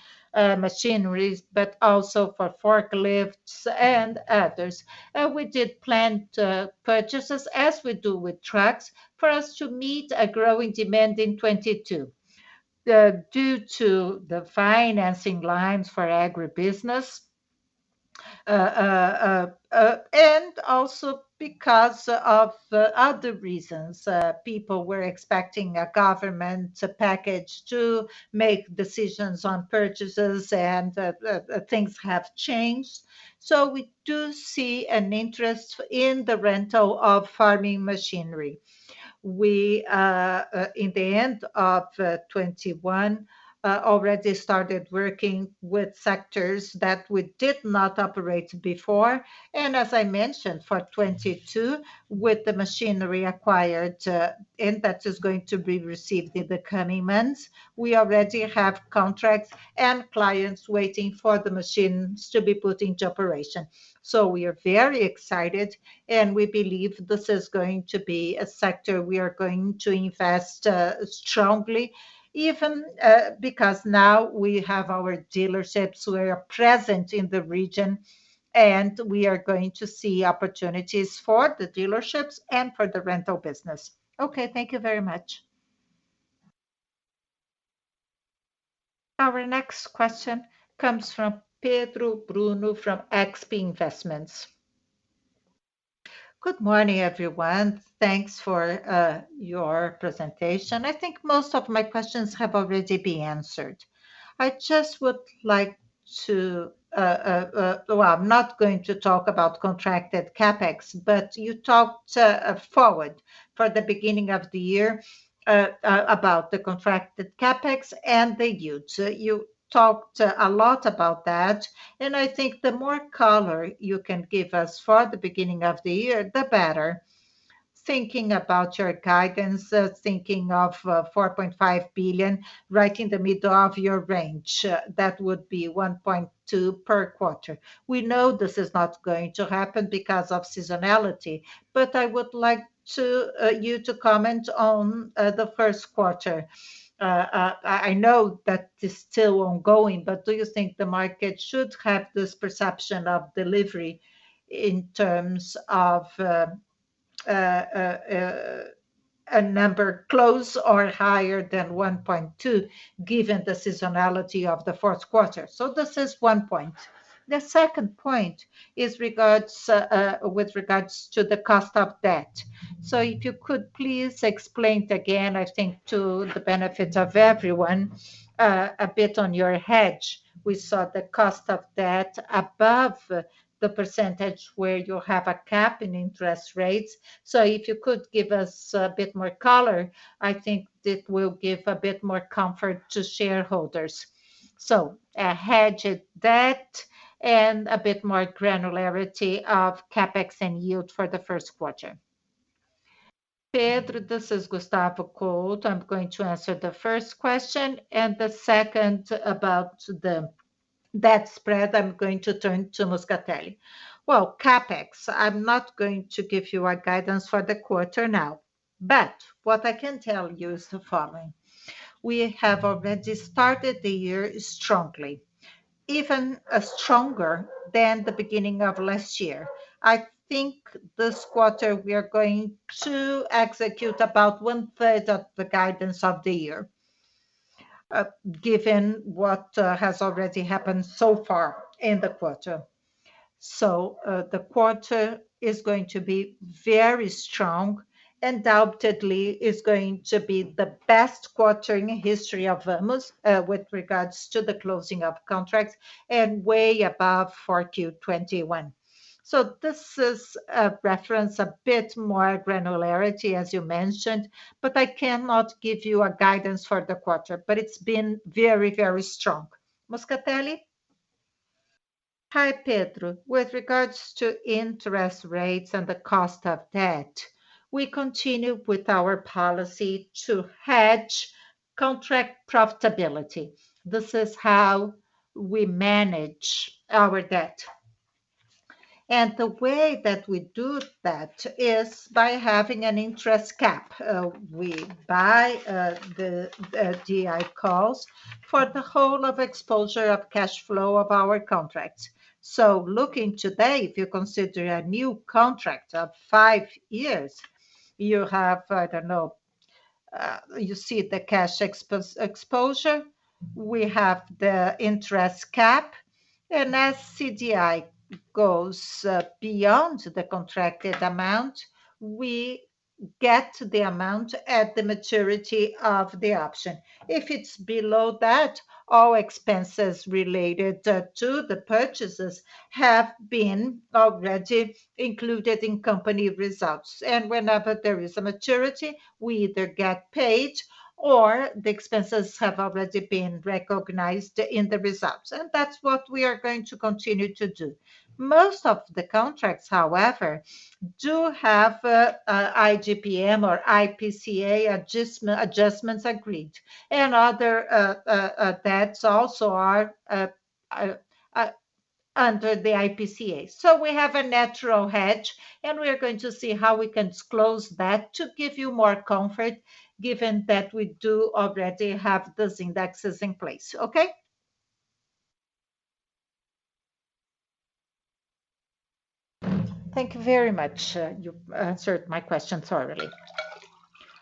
machineries, but also for forklifts and others. We did planned purchases, as we do with trucks, for us to meet a growing demand in 2022, due to the financing lines for agribusiness, and also because of other reasons. People were expecting a government package to make decisions on purchases, and things have changed. We do see an interest in the rental of farming machinery. We in the end of 2021 already started working with sectors that we did not operate before. As I mentioned, for 2022, with the machinery acquired, and that is going to be received in the coming months, we already have contracts and clients waiting for the machines to be put into operation. We are very excited, and we believe this is going to be a sector we are going to invest strongly, even, because now we have our dealerships who are present in the region, and we are going to see opportunities for the dealerships and for the rental business. Okay, thank you very much. Our next question comes from Pedro Bruno from XP Investimentos. Good morning, everyone. Thanks for your presentation. I think most of my questions have already been answered. I just would like to... Well, I'm not going to talk about contracted CapEx, but you talked looking forward for the beginning of the year about the contracted CapEx and the yields. You talked a lot about that, and I think the more color you can give us for the beginning of the year, the better. Thinking about your guidance, thinking of 4.5 billion right in the middle of your range, that would be 1.2 billion per quarter. We know this is not going to happen because of seasonality, but I would like you to comment on the first quarter. I know that it's still ongoing, but do you think the market should have this perception of delivery in terms of a number close to or higher than 1.2 billion, given the seasonality of the fourth quarter? This is one point. The second point is regarding the cost of debt. If you could please explain again, I think to the benefit of everyone, a bit on your hedge. We saw the cost of debt above the percentage where you have a cap in interest rates. If you could give us a bit more color, I think it will give a bit more comfort to shareholders. A hedged debt and a bit more granularity of CapEx and yield for the first quarter. Pedro, this is Gustavo Couto. I'm going to answer the first question, and the second about the debt spread, I'm going to turn to Moscatelli. Well, CapEx, I'm not going to give you a guidance for the quarter now, but what I can tell you is the following. We have already started the year strongly, even stronger than the beginning of last year. I think this quarter we are going to execute about one third of the guidance of the year, given what has already happened so far in the quarter. The quarter is going to be very strong and undoubtedly is going to be the best quarter in history of Vamos, with regards to the closing of contracts and way above 4Q 2021. This is a reference, a bit more granularity as you mentioned, but I cannot give you a guidance for the quarter. It's been very, very strong. Moscatelli. Hi, Pedro. With regards to interest rates and the cost of debt, we continue with our policy to hedge contract profitability. This is how we manage our debt. The way that we do that is by having an interest cap. We buy the DI calls for the whole of exposure of cash flow of our contracts. Looking today, if you consider a new contract of five years, you have, I don't know, you see the cash exposure. We have the interest cap. As CDI goes beyond the contracted amount, we get the amount at the maturity of the option. If it's below that, all expenses related to the purchases have been already included in company results. Whenever there is a maturity, we either get paid or the expenses have already been recognized in the results. That's what we are going to continue to do. Most of the contracts, however, do have IGPM or IPCA adjustments agreed, and other debts also are under the IPCA. We have a natural hedge, and we are going to see how we can disclose that to give you more comfort, given that we do already have those indexes in place. Okay? Thank you very much. You answered my question thoroughly.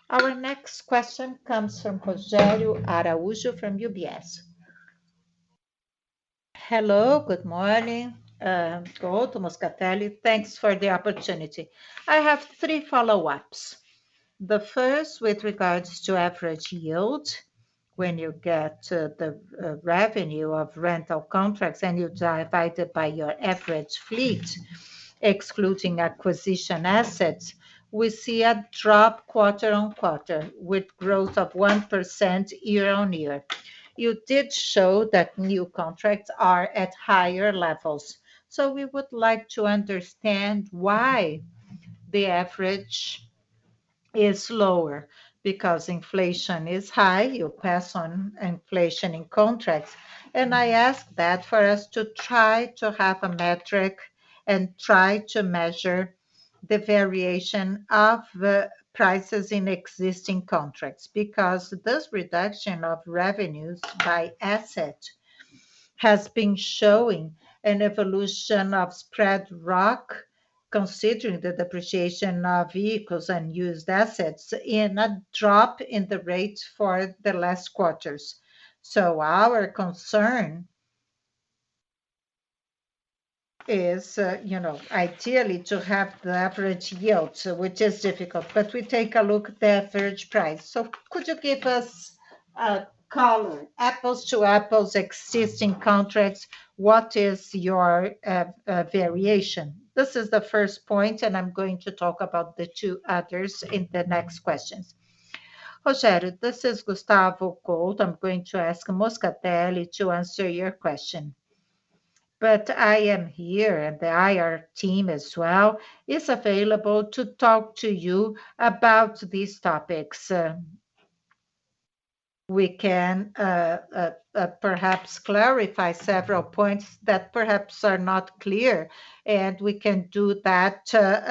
Our next question comes from Rogério Araújo from UBS. Hello, good morning, Couto, Moscatelli. Thanks for the opportunity. I have three follow-ups. The first with regards to average yield. When you get the revenue of rental contracts and you divide it by your average fleet, excluding acquisition assets, we see a drop quarter-on-quarter with growth of 1% year-on-year. You did show that new contracts are at higher levels, so we would like to understand why the average is lower. Because inflation is high, you pass on inflation in contracts. I ask that for us to try to have a metric and try to measure the variation of prices in existing contracts, because this reduction of revenues by asset has been showing an evolution of spread, right, considering the depreciation of vehicles and used assets and a drop in the rates for the last quarters. Our concern is, you know, ideally to have the average yield, which is difficult. We take a look at the average price. Could you give us a column, apples-to-apples existing contracts, what is your variation? This is the first point, and I'm going to talk about the two others in the next questions. Rogério Araújo, this is Gustavo Couto. I'm going to ask Moscatelli to answer your question. I am here, and the IR team as well is available to talk to you about these topics. We can perhaps clarify several points that perhaps are not clear, and we can do that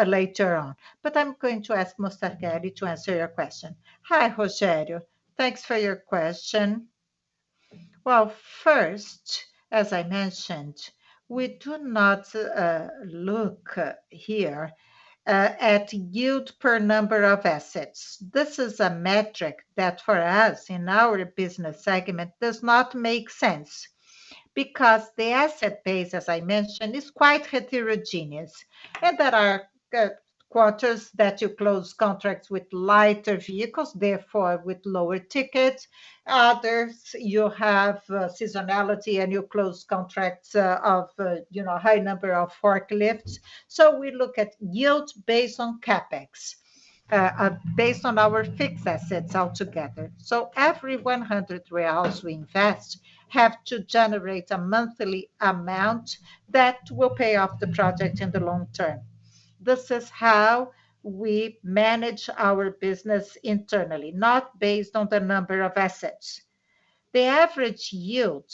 later on. I'm going to ask Moscatelli to answer your question. Hi, Rogério. Thanks for your question. Well, first, as I mentioned, we do not look here at yield per number of assets. This is a metric that for us in our business segment does not make sense because the asset base, as I mentioned, is quite heterogeneous. There are quarters that you close contracts with lighter vehicles, therefore with lower tickets. Others you have seasonality and you close contracts of you know high number of forklifts. We look at yields based on CapEx based on our fixed assets altogether. Every 100 reais we invest have to generate a monthly amount that will pay off the project in the long term. This is how we manage our business internally, not based on the number of assets. The average yield,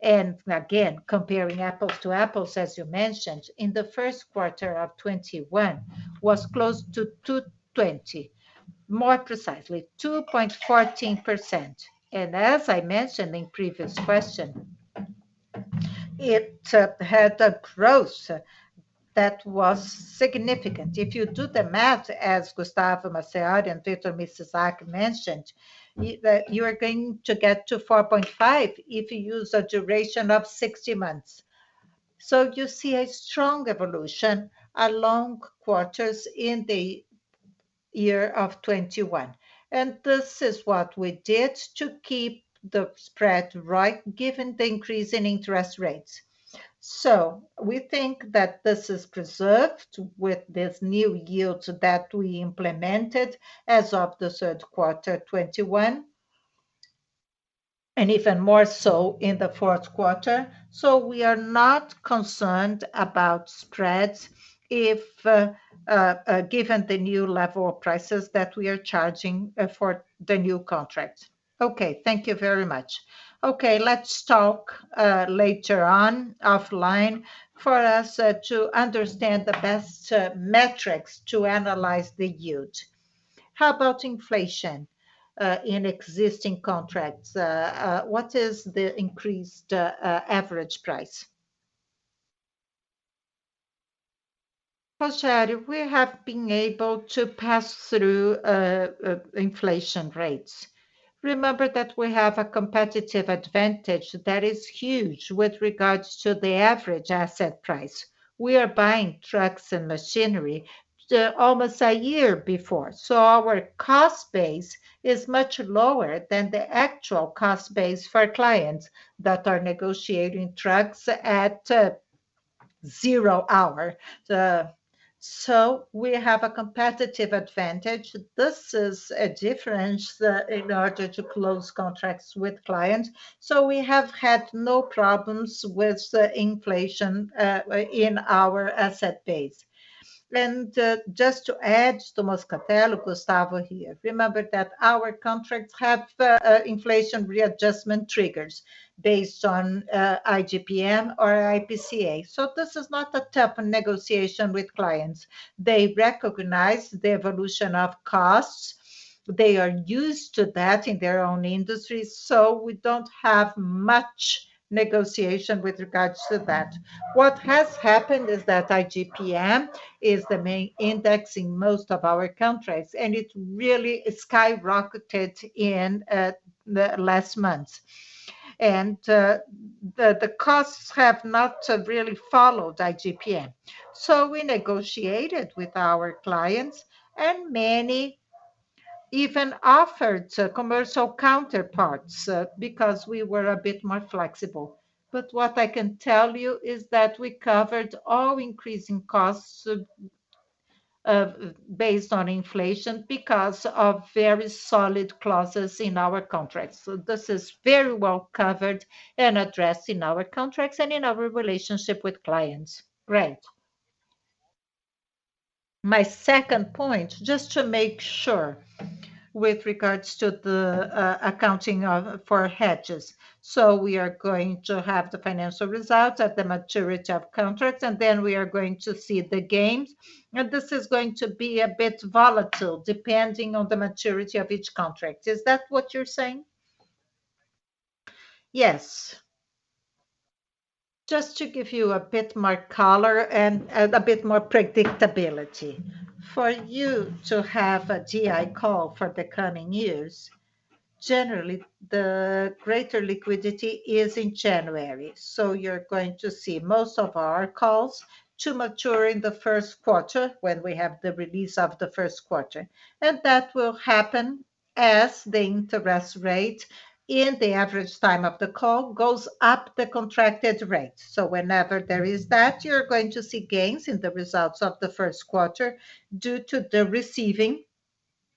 and again, comparing apples-to-apples, as you mentioned, in the first quarter of 2021 was close to 2.20%. More precisely, 2.14%. As I mentioned in previous question, it had a growth that was significant. If you do the math, as Gustavo Moscatelli and Victor Mizusaki mentioned, that you are going to get to 4.5 if you use a duration of 60 months. You see a strong evolution along quarters in the year of 2021. This is what we did to keep the spread right given the increase in interest rates. We think that this is preserved with this new yields that we implemented as of the third quarter 2021, and even more so in the fourth quarter. We are not concerned about spreads if given the new level of prices that we are charging for the new contract. Okay, thank you very much. Okay, let's talk later on offline for us to understand the best metrics to analyze the yield. How about inflation in existing contracts? What is the increased average price? Rogério, we have been able to pass through inflation rates. Remember that we have a competitive advantage that is huge with regards to the average asset price. We are buying trucks and machinery almost a year before. Our cost base is much lower than the actual cost base for clients that are negotiating trucks at zero hour. We have a competitive advantage. This is a difference in order to close contracts with clients. We have had no problems with the inflation in our asset base. Just to add to Moscatelli, Gustavo here, remember that our contracts have inflation readjustment triggers based on IGPM or IPCA. This is not a tough negotiation with clients. They recognize the evolution of costs. They are used to that in their own industry. We don't have much negotiation with regards to that. What has happened is that IGPM is the main index in most of our contracts, and it really skyrocketed in the last months. The costs have not really followed IGPM. We negotiated with our clients, and many even offered commercial counterparts because we were a bit more flexible. What I can tell you is that we covered all increasing costs based on inflation because of very solid clauses in our contracts. This is very well covered and addressed in our contracts and in our relationship with clients. Right. My second point, just to make sure with regards to the accounting for hedges. We are going to have the financial results at the maturity of contracts, and then we are going to see the gains. This is going to be a bit volatile depending on the maturity of each contract. Is that what you're saying? Yes. Just to give you a bit more color and a bit more predictability, for you to have a DI call for the coming years, generally the greater liquidity is in January. You're going to see most of our calls to mature in the first quarter when we have the release of the first quarter. That will happen as the interest rate in the average time of the call goes up the contracted rate. Whenever there is that, you're going to see gains in the results of the first quarter due to the receiving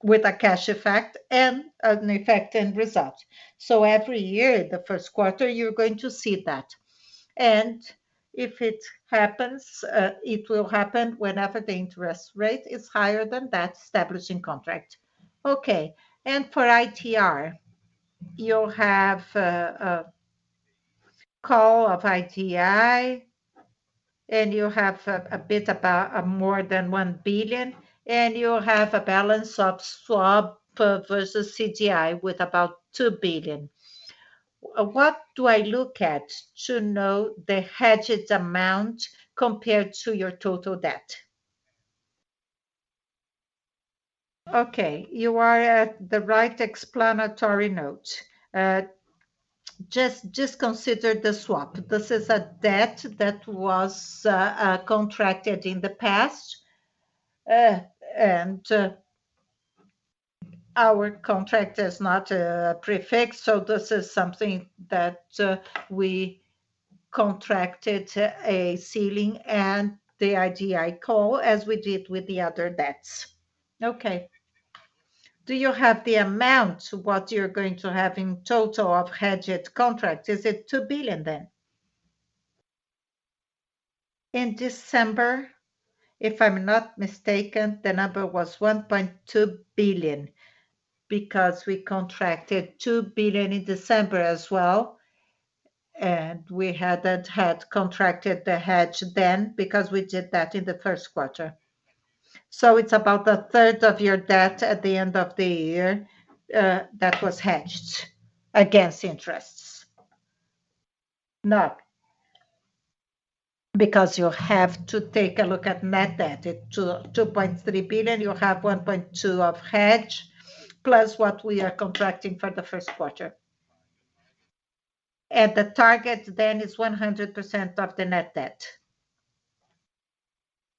with a cash effect and an effect in result. Every year, the first quarter, you're going to see that. If it happens, it will happen whenever the interest rate is higher than that established contract. For ITR, you'll have a DI call and you have about more than 1 billion, and you'll have a balance of swap versus CDI with about 2 billion. What do I look at to know the hedged amount compared to your total debt? Okay. You are at the right explanatory note. Just consider the swap. This is a debt that was contracted in the past. Our contract is not prefixed, so this is something that we contracted a ceiling and the DI call as we did with the other debts. Okay. Do you have the amount what you're going to have in total of hedged contract? Is it 2 billion then? In December, if I'm not mistaken, the number was 1.2 billion because we contracted 2 billion in December as well, and we hadn't contracted the hedge then because we did that in the first quarter. It's about a third of your debt at the end of the year that was hedged against interests. No. Because you have to take a look at net debt. At 2.23 billion, you have 1.2 billion of hedge plus what we are contracting for the first quarter. The target then is 100% of the net debt.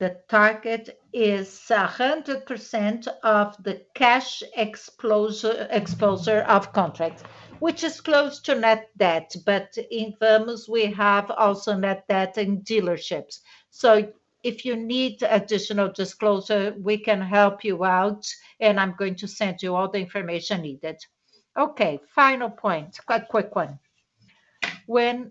The target is 100% of the cash exposure of contract, which is close to net debt. In firms we have also net debt in dealerships. If you need additional disclosure, we can help you out, and I'm going to send you all the information needed. Okay. Final point, quite quick one. When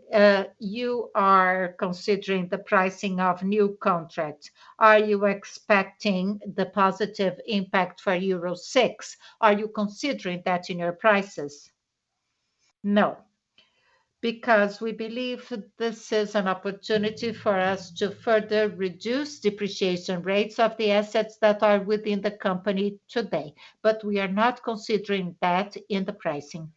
you are considering the pricing of new contract, are you expecting the positive impact for Euro VI? Are you considering that in your prices? No. Because we believe this is an opportunity for us to further reduce depreciation rates of the assets that are within the company today, but we are not considering that in the pricing.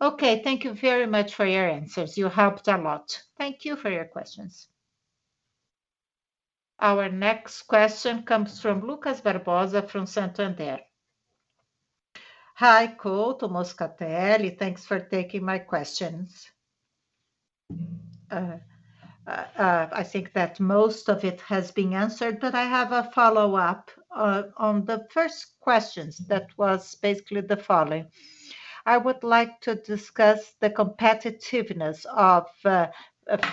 Okay. Thank you very much for your answers. You helped a lot. Thank you for your questions. Our next question comes from Lucas Barbosa from Santander. Hi, Couto, Moscatelli. Thanks for taking my questions. I think that most of it has been answered, but I have a follow-up on the first questions that was basically the following. I would like to discuss the competitiveness of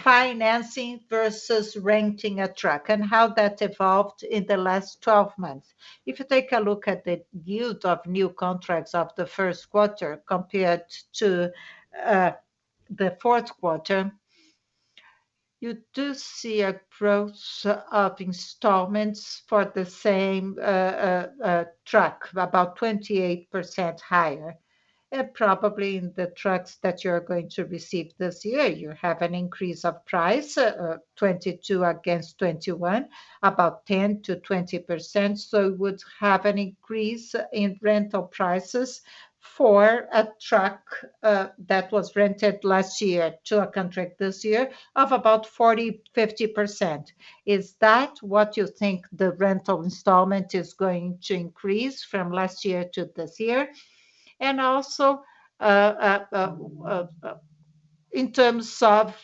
financing versus renting a truck and how that evolved in the last 12 months. If you take a look at the yield of new contracts of the first quarter compared to the fourth quarter, you do see a growth of installments for the same truck, about 28% higher. Probably in the trucks that you are going to receive this year, you have an increase of price, 2022 against 2021, about 10%-20%. It would have an increase in rental prices for a truck that was rented last year to a contract this year of about 40%-50%. Is that what you think the rental installment is going to increase from last year to this year? In terms of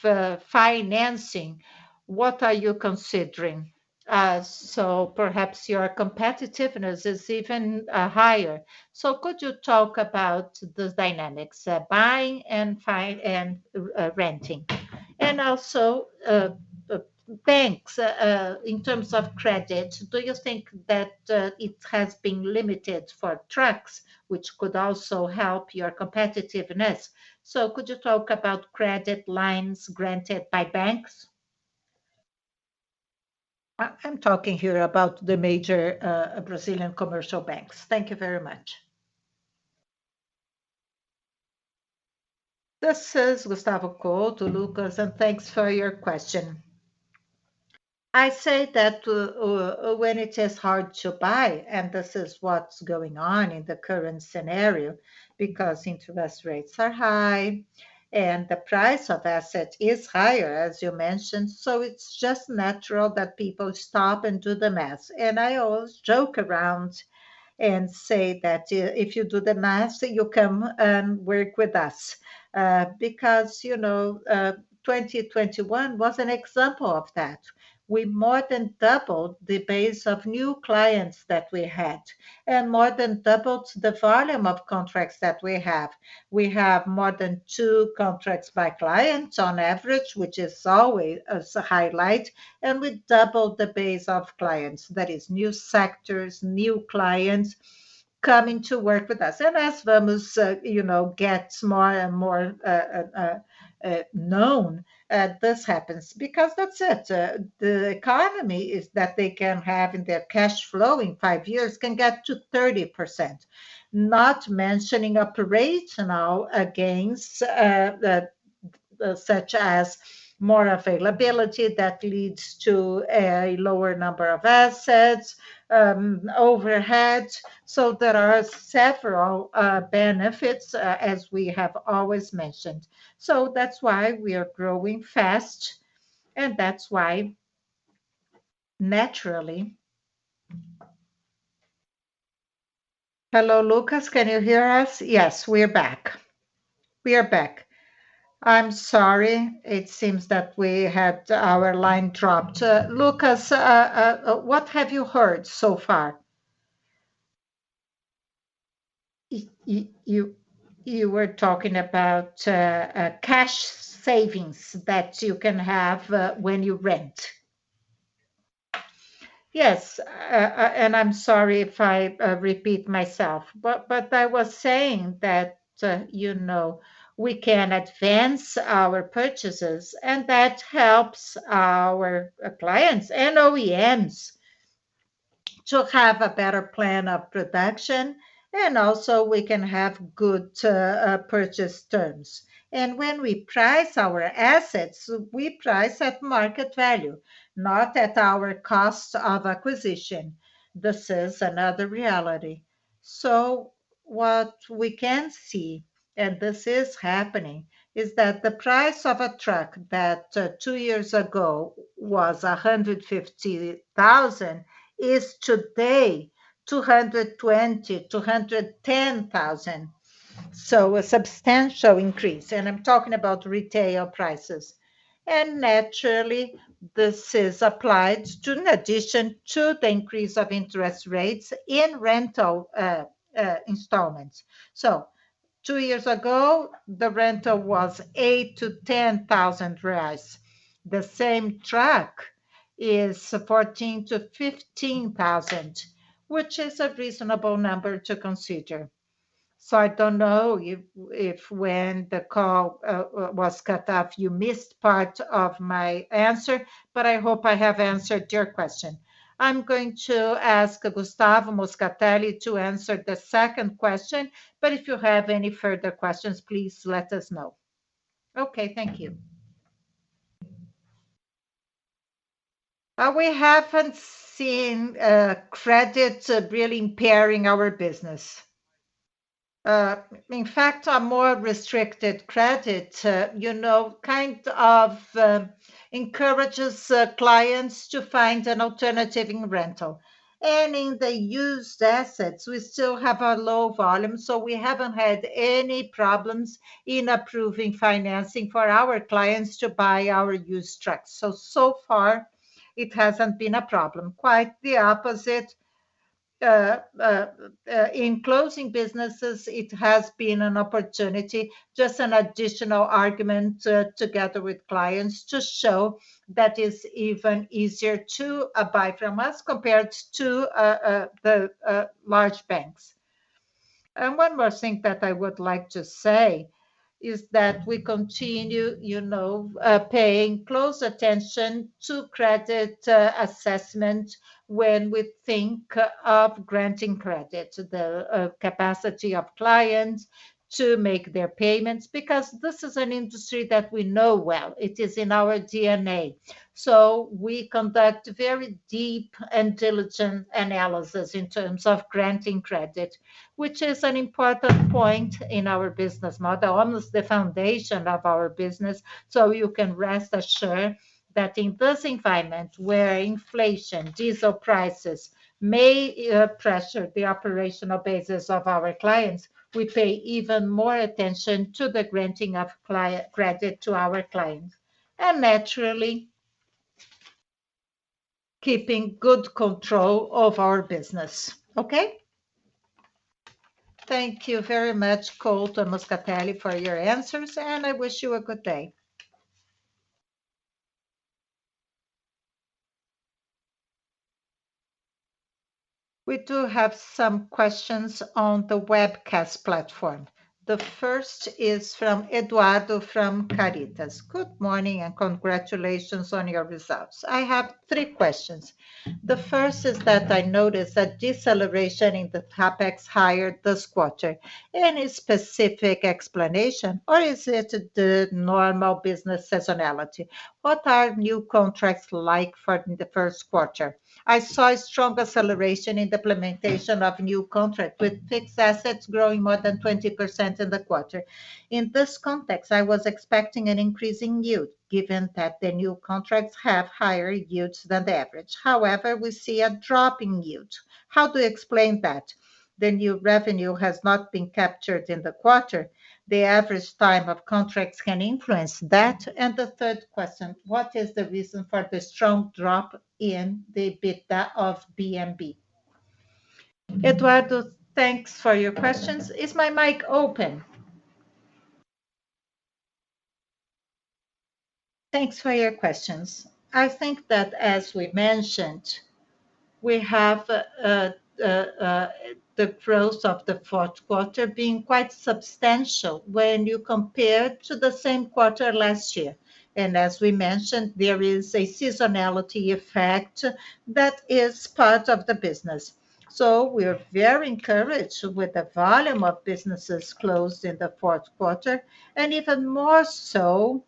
financing, what are you considering? Perhaps your competitiveness is even higher. Could you talk about those dynamics, buying and renting? Banks in terms of credit, do you think that it has been limited for trucks, which could also help your competitiveness? Could you talk about credit lines granted by banks? I'm talking here about the major Brazilian commercial banks. Thank you very much. This is Gustavo Couto, Lucas, and thanks for your question. I say that when it is hard to buy, and this is what's going on in the current scenario, because interest rates are high and the price of asset is higher, as you mentioned. It's just natural that people stop and do the math. I always joke around and say that if you do the math, you come and work with us. Because, you know, 2021 was an example of that. We more than doubled the base of new clients that we had and more than doubled the volume of contracts that we have. We have more than two contracts by clients on average, which is always as a highlight, and we doubled the base of clients. That is new sectors, new clients coming to work with us. As Vamos, you know, gets more and more known, this happens because that's it. The economics is that they can have in their cash flow in five years can get to 30%, not mentioning operational gains such as more availability that leads to a lower number of assets overhead. There are several benefits as we have always mentioned. That's why we are growing fast, and that's why naturally... Hello, Lucas. Can you hear us? Yes, we are back. I'm sorry. It seems that we had our line dropped. Lucas, what have you heard so far? You were talking about cash savings that you can have when you rent. Yes, I'm sorry if I repeat myself, but I was saying that, you know, we can advance our purchases and that helps our clients and OEMs to have a better plan of production, and also we can have good purchase terms. When we price our assets, we price at market value, not at our cost of acquisition. This is another reality. What we can see, and this is happening, is that the price of a truck that two years ago was 150,000, is today 220,000 210,000. A substantial increase, and I'm talking about retail prices. Naturally, this is applied to, in addition to the increase of interest rates in rental installments. Two years ago, the rental was 8,000-10,000 reais. The same truck is 14,000-15,000, which is a reasonable number to consider. I don't know if when the call was cut off, you missed part of my answer, but I hope I have answered your question. I'm going to ask Gustavo Moscatelli to answer the second question, but if you have any further questions, please let us know. Okay. Thank you. We haven't seen credit really impairing our business. In fact, a more restricted credit, you know, kind of encourages clients to find an alternative in rental. In the used assets, we still have a low volume, so we haven't had any problems in approving financing for our clients to buy our used trucks. So far it hasn't been a problem. Quite the opposite. In closing businesses, it has been an opportunity, just an additional argument together with clients to show that it's even easier to buy from us compared to the large banks. One more thing that I would like to say is that we continue, you know, paying close attention to credit assessment when we think of granting credit, the capacity of clients to make their payments, because this is an industry that we know well. It is in our DNA. We conduct very deep and diligent analysis in terms of granting credit, which is an important point in our business model, almost the foundation of our business. You can rest assured that in this environment where inflation, diesel prices may pressure the operational basis of our clients, we pay even more attention to the granting of client credit to our clients, and naturally keeping good control of our business. Okay? Thank you very much, Couto and Moscatelli, for your answers, and I wish you a good day. We do have some questions on the webcast platform. The first is from Eduardo from Claritas. Good morning and congratulations on your results. I have three questions. The first is that I noticed a deceleration in the CapEx hired this quarter. Any specific explanation, or is it the normal business seasonality? What are new contracts like for the first quarter? I saw a strong acceleration in the implementation of new contracts, with fixed assets growing more than 20% in the quarter. In this context, I was expecting an increase in yield, given that the new contracts have higher yields than the average. However, we see a drop in yield. How do you explain that? The new revenue has not been captured in the quarter. The average time of contracts can influence that. The third question, what is the reason for the strong drop in the EBITDA of BMB? Eduardo, thanks for your questions. Is my mic open? Thanks for your questions. I think that as we mentioned, we have the growth of the fourth quarter being quite substantial when you compare to the same quarter last year. As we mentioned, there is a seasonality effect that is part of the business. We are very encouraged with the volume of businesses closed in the fourth quarter, and even more so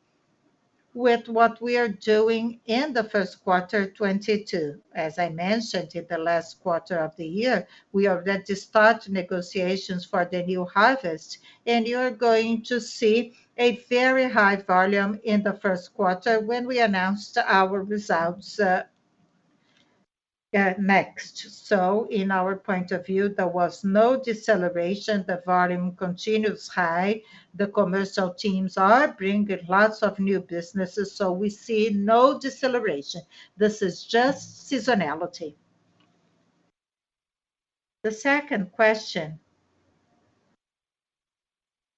with what we are doing in the first quarter 2022. As I mentioned in the last quarter of the year, we are ready to start negotiations for the new harvest, and you are going to see a very high volume in the first quarter when we announce our results next. In our point of view, there was no deceleration. The volume continues high. The commercial teams are bringing lots of new businesses, so we see no deceleration. This is just seasonality. The second question.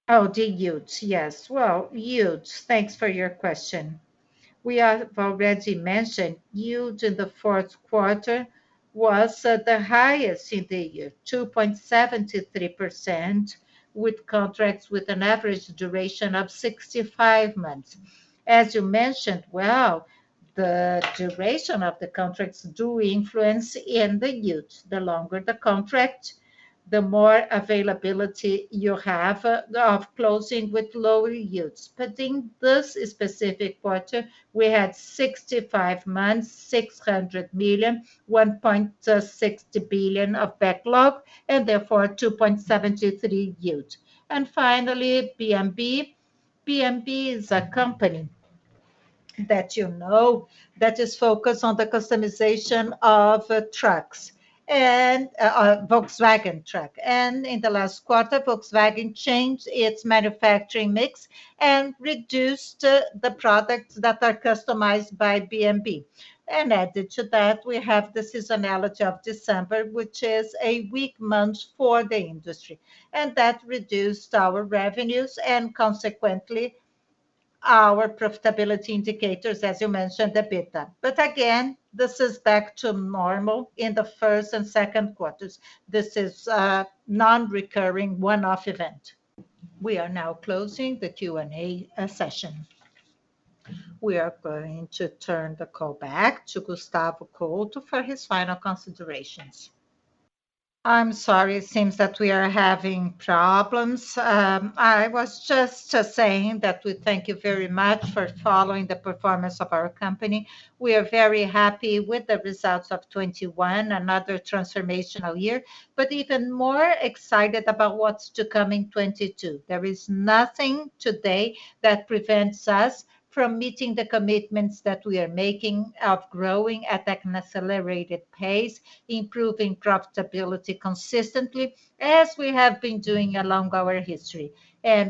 Oh, the yields. Yes. Well, yields. Thanks for your question. We have already mentioned yields in the fourth quarter was the highest in the year, 2.73% with contracts with an average duration of 65 months. As you mentioned, well, the duration of the contracts do influence in the yields. The longer the contract, the more availability you have of closing with lower yields. In this specific quarter, we had 65 months, 600 million, 1.6 billion of backlog, and therefore 2.73% yield. Finally, BMB. BMB is a company that you know that is focused on the customization of trucks and Volkswagen truck. In the last quarter, Volkswagen changed its manufacturing mix and reduced the products that are customized by BMB. Added to that, we have the seasonality of December, which is a weak month for the industry. That reduced our revenues and consequently our profitability indicators, as you mentioned, EBITDA. Again, this is back to normal in the first and second quarters. This is a non-recurring one-off event. We are now closing the Q&A session. We are going to turn the call back to Gustavo Couto for his final considerations. I'm sorry. It seems that we are having problems. I was just saying that we thank you very much for following the performance of our company. We are very happy with the results of 2021, another transformational year, but even more excited about what's to come in 2022. There is nothing today that prevents us from meeting the commitments that we are making of growing at an accelerated pace, improving profitability consistently as we have been doing along our history.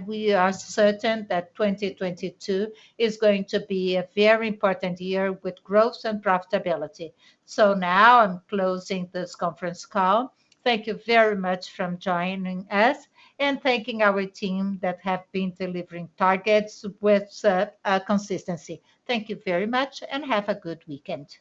We are certain that 2022 is going to be a very important year with growth and profitability. Now I'm closing this conference call. Thank you very much for joining us and thanking our team that have been delivering targets with consistency. Thank you very much, and have a good weekend.